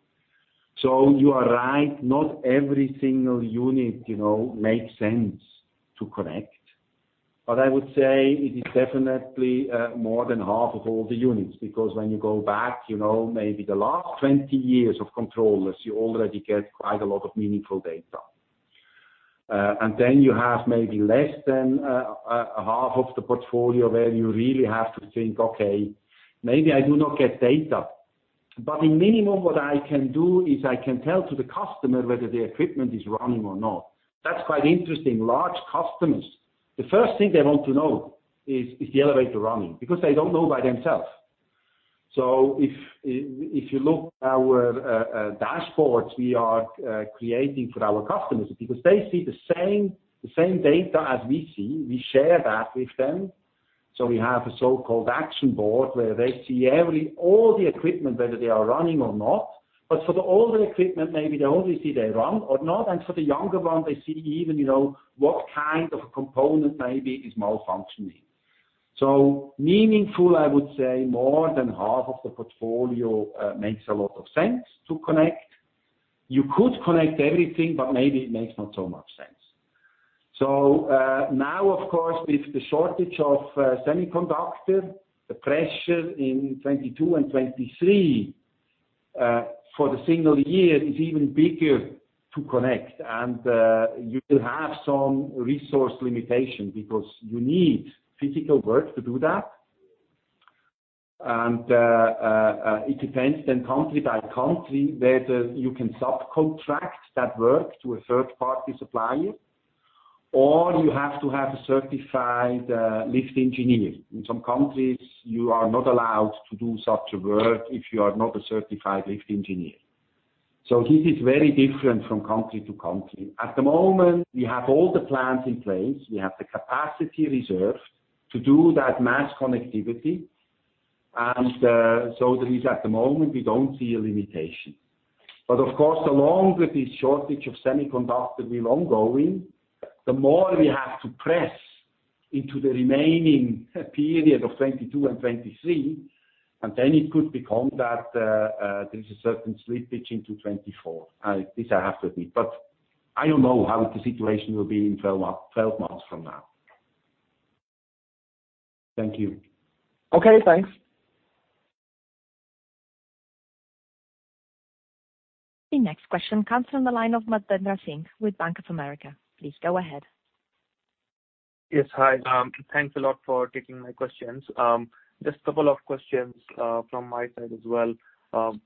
You are right, not every single unit makes sense to connect. I would say it is definitely more than half of all the units, because when you go back maybe the last 20 years of controllers, you already get quite a lot of meaningful data. Then you have maybe less than half of the portfolio where you really have to think, "Okay, maybe I do not get data." In minimum, what I can do is I can tell to the customer whether the equipment is running or not. That's quite interesting. Large customers, the first thing they want to know is the elevator running? Because they don't know by themselves. If you look our dashboards we are creating for our customers, because they see the same data as we see, we share that with them. We have a so-called action board where they see all the equipment, whether they are running or not. For the older equipment, maybe they only see they run or not, and for the younger one, they see even what kind of component maybe is malfunctioning. Meaningful, I would say more than half of the portfolio makes a lot of sense to connect. You could connect everything, but maybe it makes not so much sense. Now, of course, with the shortage of semiconductor, the pressure in 2022 and 2023, for the single year is even bigger to connect. You will have some resource limitation because you need physical work to do that. It depends then country by country, whether you can subcontract that work to a third-party supplier, or you have to have a certified lift engineer. In some countries, you are not allowed to do such work if you are not a certified lift engineer. This is very different from country to country. At the moment, we have all the plans in place. We have the capacity reserved to do that mass connectivity. At the moment, we don't see a limitation. Of course, along with this shortage of semiconductor will ongoing, the more we have to press into the remaining period of 2022 and 2023, and then it could become that there's a certain slippage into 2024. This I have to admit, but I don't know how the situation will be 12 months from now. Thank you. Okay, thanks. The next question comes from the line of Madhavi Singh with Bank of America. Please go ahead. Yes. Hi. Thanks a lot for taking my questions. Just couple of questions from my side as well.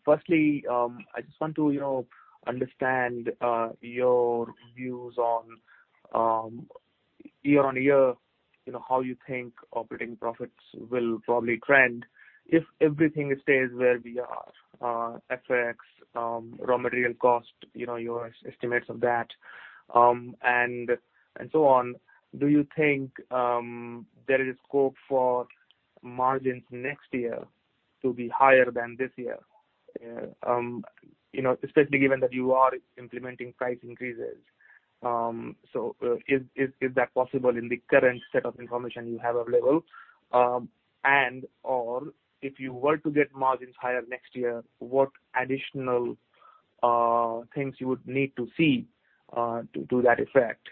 Firstly, I just want to understand your views on year-on-year, how you think operating profits will probably trend if everything stays where we are. FX, raw material cost, your estimates of that, and so on. Do you think there is scope for margins next year to be higher than this year? Especially given that you are implementing price increases. Is that possible in the current set of information you have available? And/or if you were to get margins higher next year, what additional things you would need to see to do that effect?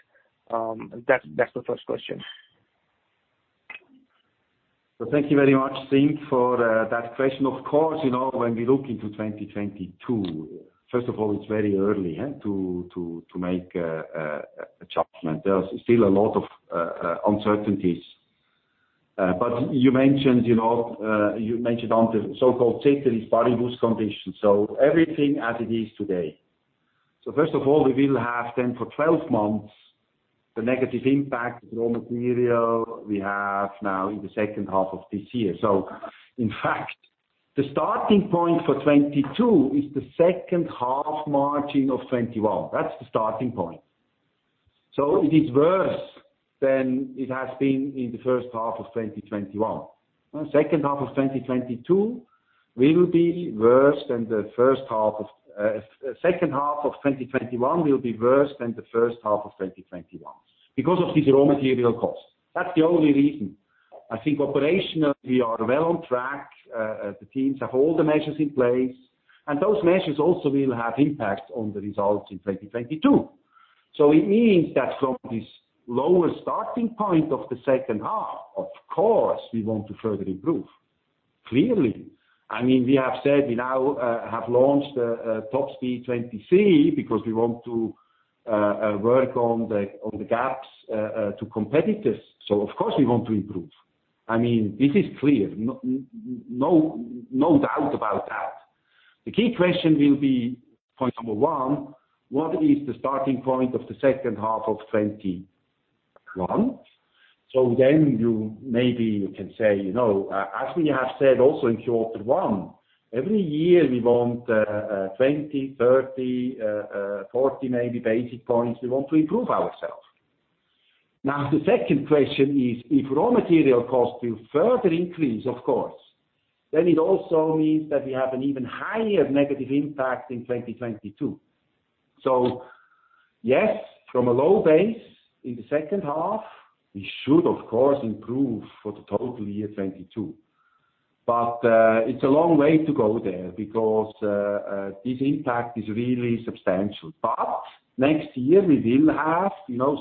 That's the first question. Thank you very much, Singh, for that question. Of course, when we look into 2022, first of all, it's very early to make a judgment. There's still a lot of uncertainties. You mentioned onto the so-called ceteris paribus condition. Everything as it is today. First of all, we will have then for 12 months the negative impact of raw material we have now in the second half of this year. In fact, the starting point for 2022 is the second half margin of 2021. That's the starting point. It is worse than it has been in the first half of 2021. Second half of 2021 will be worse than the first half of 2021 because of this raw material cost. That's the only reason. I think operationally we are well on track. The teams have all the measures in place, and those measures also will have impact on the results in 2022. It means that from this lower starting point of the second half, of course we want to further improve. Clearly. We have said we now have launched Top Speed 23 because we want to work on the gaps to competitors. Of course we want to improve. This is clear. No doubt about that. The key question will be, point number 1, what is the starting point of the second half of 2021? Then maybe you can say, as we have said also in Q1, every year we want 20, 30, 40 maybe basis points we want to improve ourself. Now, the second question is, if raw material costs will further increase, of course, then it also means that we have an even higher negative impact in 2022. Yes, from a low base in the second half, we should of course improve for the total year 2022. It's a long way to go there because this impact is really substantial. Next year we will have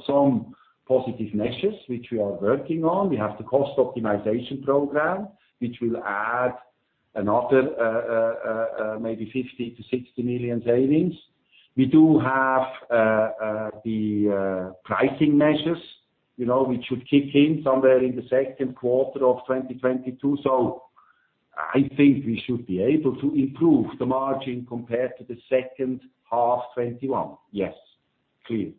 some positive measures which we are working on. We have the cost optimization program, which will add another maybe 50 million-60 million savings. We do have the pricing measures which should kick in somewhere in the second quarter of 2022. I think we should be able to improve the margin compared to the second half 2021. Yes, clear.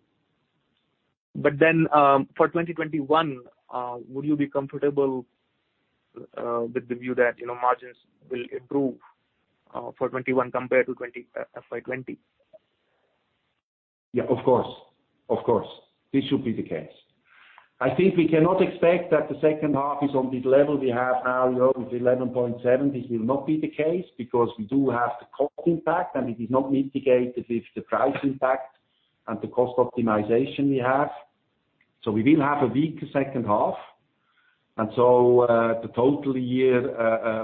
For 2021, would you be comfortable with the view that margins will improve for 2021 compared to FY 2020? Of course. This should be the case. I think we cannot expect that the second half is on this level we have now with 11.7%. This will not be the case, because we do have the cost impact, and it is not mitigated with the price impact and the cost optimization we have. We will have a weak second half. The total year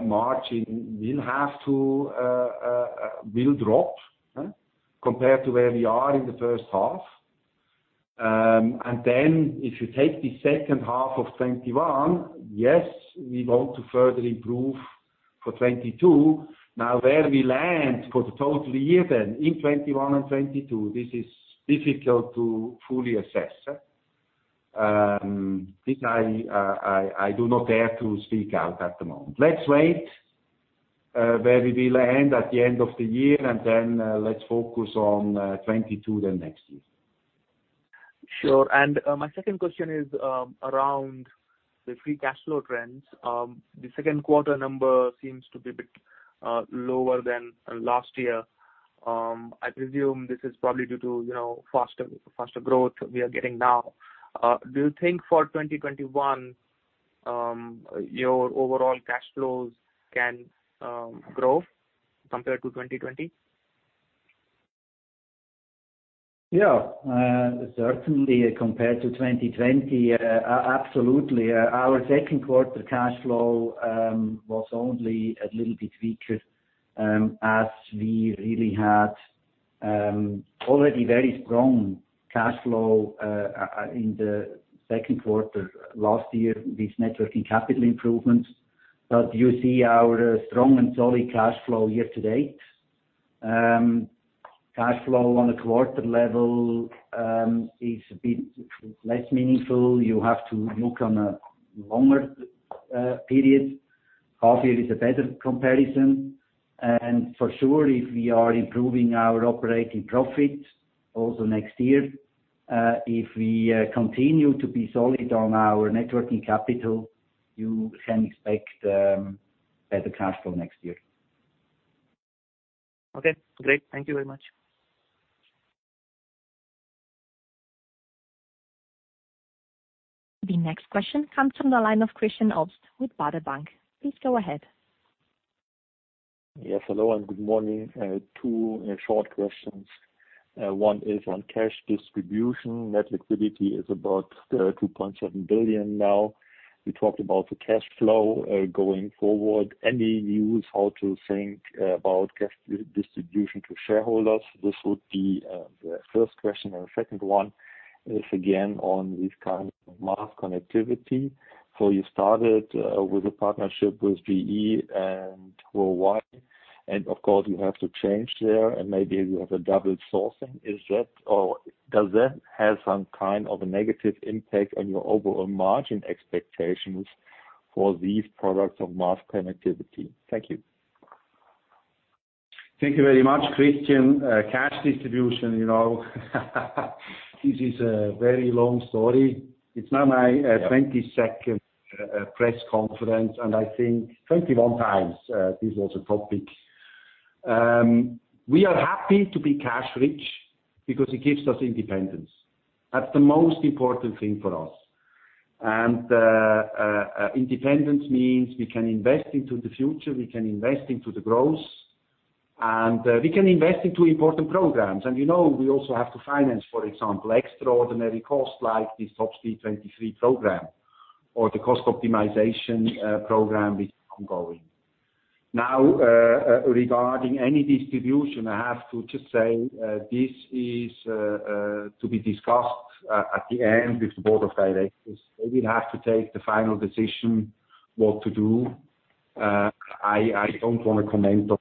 margin will drop compared to where we are in the first half. If you take the second half of 2021, yes, we want to further improve for 2022. Where we land for the total year then in 2021 and 2022, this is difficult to fully assess. This I do not dare to speak out at the moment. Let's wait where we will end at the end of the year, let's focus on 2022 then next year. Sure. My second question is around the free cash flow trends. The second quarter number seems to be a bit lower than last year. I presume this is probably due to faster growth we are getting now. Do you think for 2021, your overall cash flows can grow compared to 2020? Yeah. Certainly compared to 2020, absolutely. Our second quarter cash flow was only a little bit weaker, as we really had already very strong cash flow in the 2nd quarter last year with net working capital improvements. You see our strong and solid cash flow year-to-date. Cash flow on a quarter level is a bit less meaningful. You have to look on a longer period. Half year is a better comparison. For sure, if we are improving our operating profit also next year, if we continue to be solid on our net working capital, you can expect better cash flow next year. Okay, great. Thank you very much. The next question comes from the line of Christian Obst with Baader Bank. Please go ahead. Yes, hello and good morning. Two short questions. One is on cash distribution. Net liquidity is about 2.7 billion now. You talked about the cash flow going forward. Any news how to think about cash distribution to shareholders? This would be the first question. The second one is again on these kinds of mass connectivity. You started with a partnership with GE and Huawei, and of course, you have to change there and maybe you have a double sourcing. Does that have some kind of a negative impact on your overall margin expectations for these products of mass connectivity? Thank you. Thank you very much, Christian. Cash distribution. This is a very long story. It's now my 22nd press conference, and I think 21x this was a topic. We are happy to be cash-rich because it gives us independence. That's the most important thing for us. Independence means we can invest into the future, we can invest into the growth, and we can invest into important programs. We also have to finance, for example, extraordinary costs like this Top Speed 23 Program or the cost optimization program is ongoing. Now, regarding any distribution, I have to just say, this is to be discussed at the end with the board of directors. They will have to take the final decision what to do. I don't want to comment on that.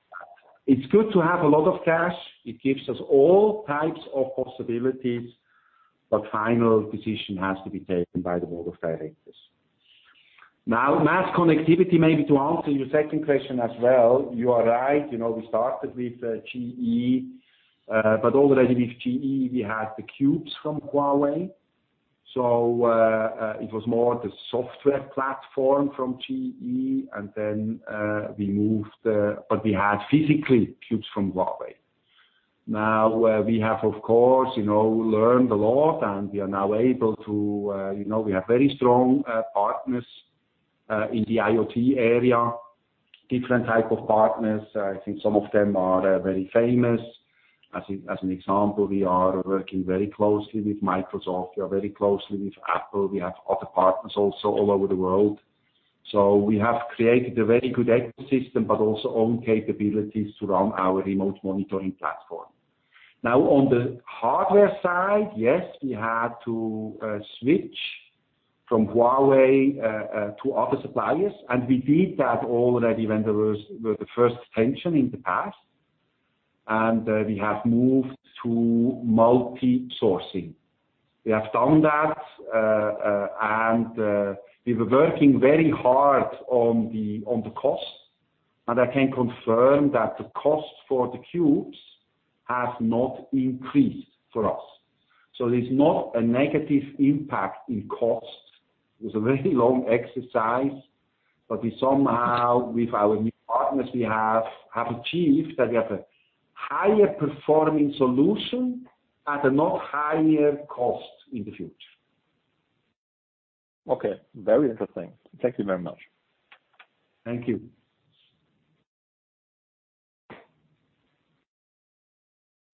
It's good to have a lot of cash. It gives us all types of possibilities. Final decision has to be taken by the board of directors. Mass connectivity, maybe to answer your second question as well. You are right, we started with GE. Already with GE, we had the cubes from Huawei. It was more the software platform from GE and then we moved, but we had physically cubes from Huawei. We have, of course, learned a lot. We have very strong partners in the IoT area, different type of partners. I think some of them are very famous. As an example, we are working very closely with Microsoft. We are very closely with Apple. We have other partners also all over the world. We have created a very good ecosystem, but also own capabilities to run our remote monitoring platform. On the hardware side, yes, we had to switch from Huawei to other suppliers, and we did that already when there was the first tension in the past. We have moved to multi-sourcing. We have done that, and we were working very hard on the cost I can confirm that the cost for the cubes has not increased for us. There's not a negative impact in cost. It was a very long exercise, but we somehow with our new partners we have achieved that we have a higher performing solution at a not higher cost in the future. Okay. Very interesting. Thank you very much. Thank you.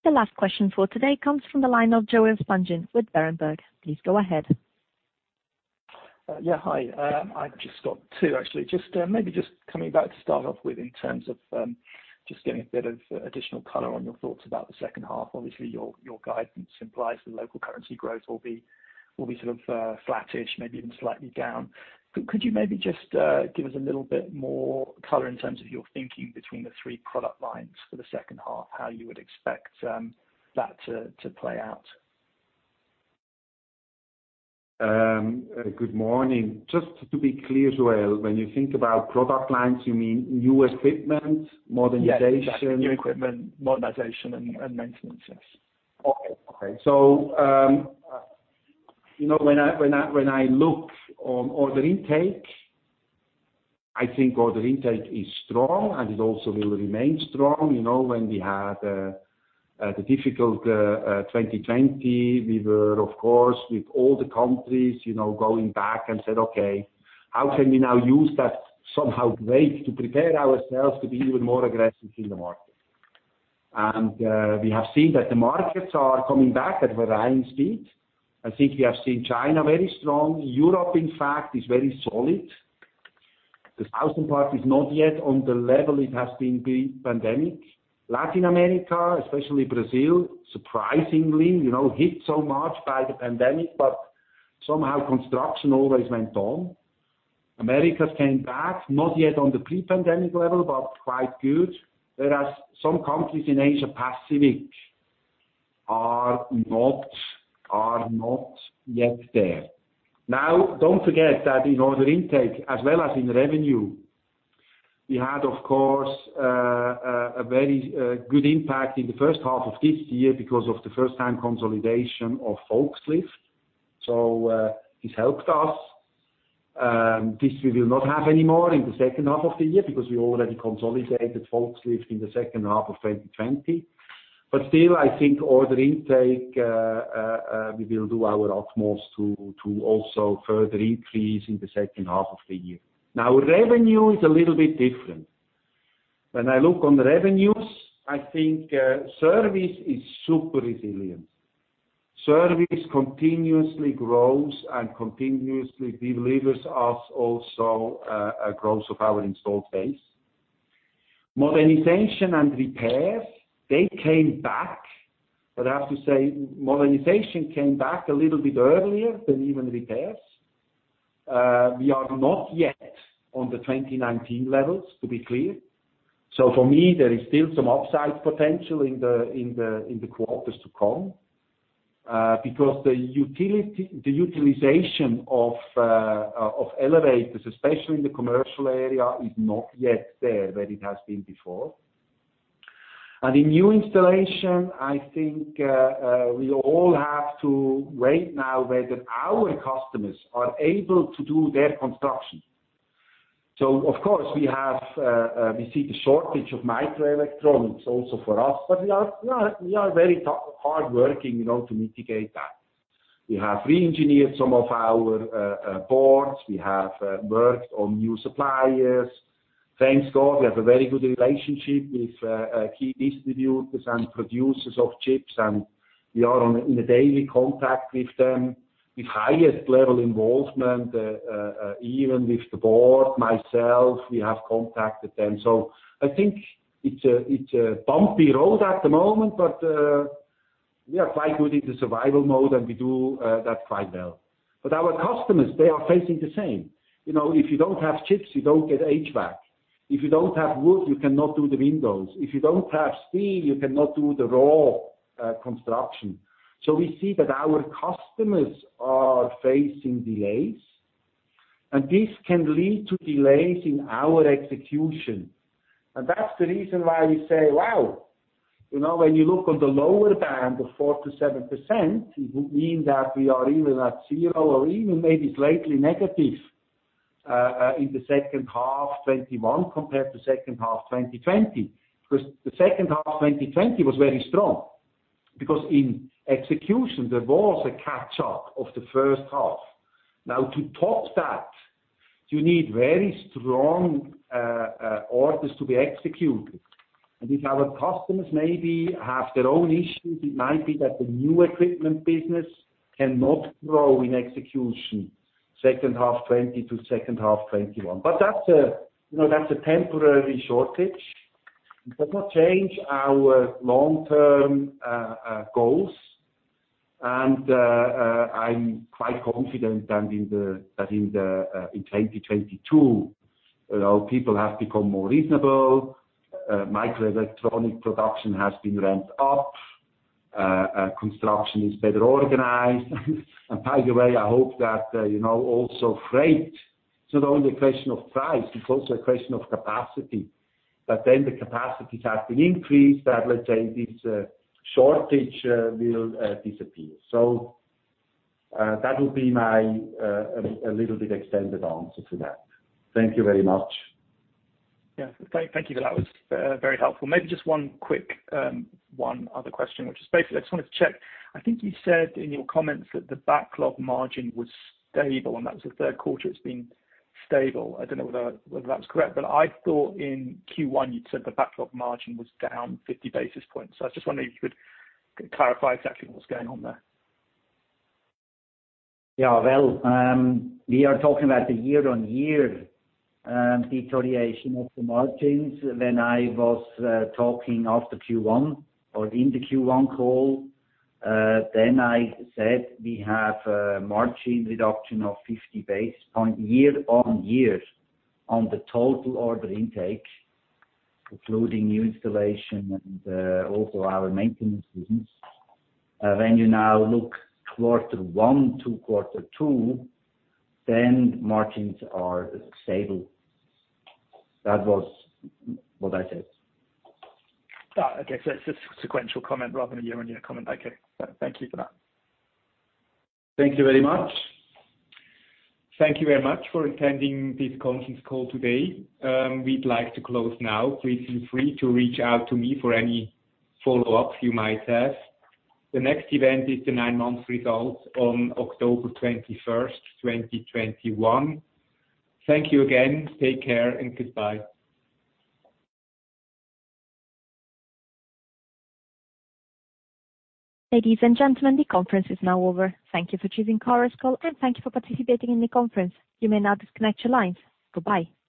The last question for today comes from the line of Joel Spungin with Berenberg. Please go ahead. Yeah. Hi. I've just got two actually. Maybe just coming back to start off with in terms of just getting a bit of additional color on your thoughts about the second half. Obviously, your guidance implies the local currency growth will be sort of flattish, maybe even slightly down. Could you maybe just give us a little bit more color in terms of your thinking between the three product lines for the second half? How you would expect that to play out. Good morning. Just to be clear, Joel, when you think about product lines, you mean new equipment, modernization- Yes, exactly. New equipment, modernization and maintenance. Yes. When I look on order intake, I think order intake is strong, and it also will remain strong. When we had the difficult 2020, we were, of course, with all the companies, going back and said, "Okay, how can we now use that somehow wait to prepare ourselves to be even more aggressive in the market?" We have seen that the markets are coming back at varying speed. I think we have seen China very strong. Europe, in fact, is very solid. The southern part is not yet on the level it has been pre-pandemic. Latin America, especially Brazil, surprisingly, hit so much by the pandemic, but somehow construction always went on. Americas came back, not yet on the pre-pandemic level, but quite good. Whereas some countries in Asia Pacific are not yet there. Don't forget that in order intake as well as in revenue, we had, of course, a very good impact in the first half of this year because of the first-time consolidation of Volkslift. This helped us. This we will not have any more in the second half of the year because we already consolidated Volkslift in the second half of 2020. Still, I think order intake, we will do our utmost to also further increase in the second half of the year. Revenue is a little bit different. When I look on the revenues, I think service is super resilient. Service continuously grows and continuously delivers us also a growth of our installed base. Modernization and repair, they came back, but I have to say modernization came back a little bit earlier than even repairs. We are not yet on the 2019 levels, to be clear. For me, there is still some upside potential in the quarters to come, because the utilization of elevators, especially in the commercial area, is not yet there where it has been before. In new installation, I think, we all have to wait now whether our customers are able to do their construction. Of course, we see the shortage of microelectronics also for us, but we are very hard working to mitigate that. We have re-engineered some of our boards. We have worked on new suppliers. Thank God, we have a very good relationship with key distributors and producers of chips, and we are in a daily contact with them. With highest level involvement, even with the board, myself, we have contacted them. I think it's a bumpy road at the moment, but we are quite good in the survival mode, and we do that quite well. Our customers, they are facing the same. If you don't have chips, you don't get HVAC. If you don't have wood, you cannot do the windows. If you don't have steel, you cannot do the raw construction. We see that our customers are facing delays, and this can lead to delays in our execution. That's the reason why we say, "Wow," when you look on the lower band of 4%-7%, it would mean that we are even at zero or even maybe slightly negative, in the second half 2021 compared to second half 2020. The second half 2020 was very strong, because in execution, there was a catch-up of the first half. Now, to top that, you need very strong orders to be executed. If our customers maybe have their own issues, it might be that the new equipment business cannot grow in execution second half 2020 to second half 2021. That's a temporary shortage. It does not change our long-term goals. I'm quite confident that in 2022, people have become more reasonable. Microelectronic production has been ramped up. Construction is better organized. By the way, I hope that also freight, it's not only a question of price, it's also a question of capacity. The capacities have been increased, let's say this shortage will disappear. That will be my little bit extended answer to that. Thank you very much. Thank you for that. That was very helpful. Maybe just one quick other question, which is, basically, I just wanted to check. I think you said in your comments that the backlog margin was stable, and that was the third quarter it's been stable. I don't know whether that was correct, but I thought in Q1, you'd said the backlog margin was down 50 basis points. I was just wondering if you could clarify exactly what's going on there. Well, we are talking about the year-on-year deterioration of the margins. When I was talking after Q1 or in the Q1 call, then I said we have a margin reduction of 50 basis on year-on-year on the total order intake, including new installation and also our maintenance business. When you now look quarter one to quarter two, then margins are stable. That was what I said. Okay. It's a sequential comment rather than a year-on-year comment. Okay. Thank you for that. Thank you very much. Thank you very much for attending this conference call today. We'd like to close now. Please feel free to reach out to me for any follow-ups you might have. The next event is the nine-month results on October 21st, 2021. Thank you again. Take care and goodbye. Ladies and gentlemen, the conference is now over. Thank you for choosing Chorus Call, and thank you for participating in the conference. You may now disconnect your lines. Goodbye.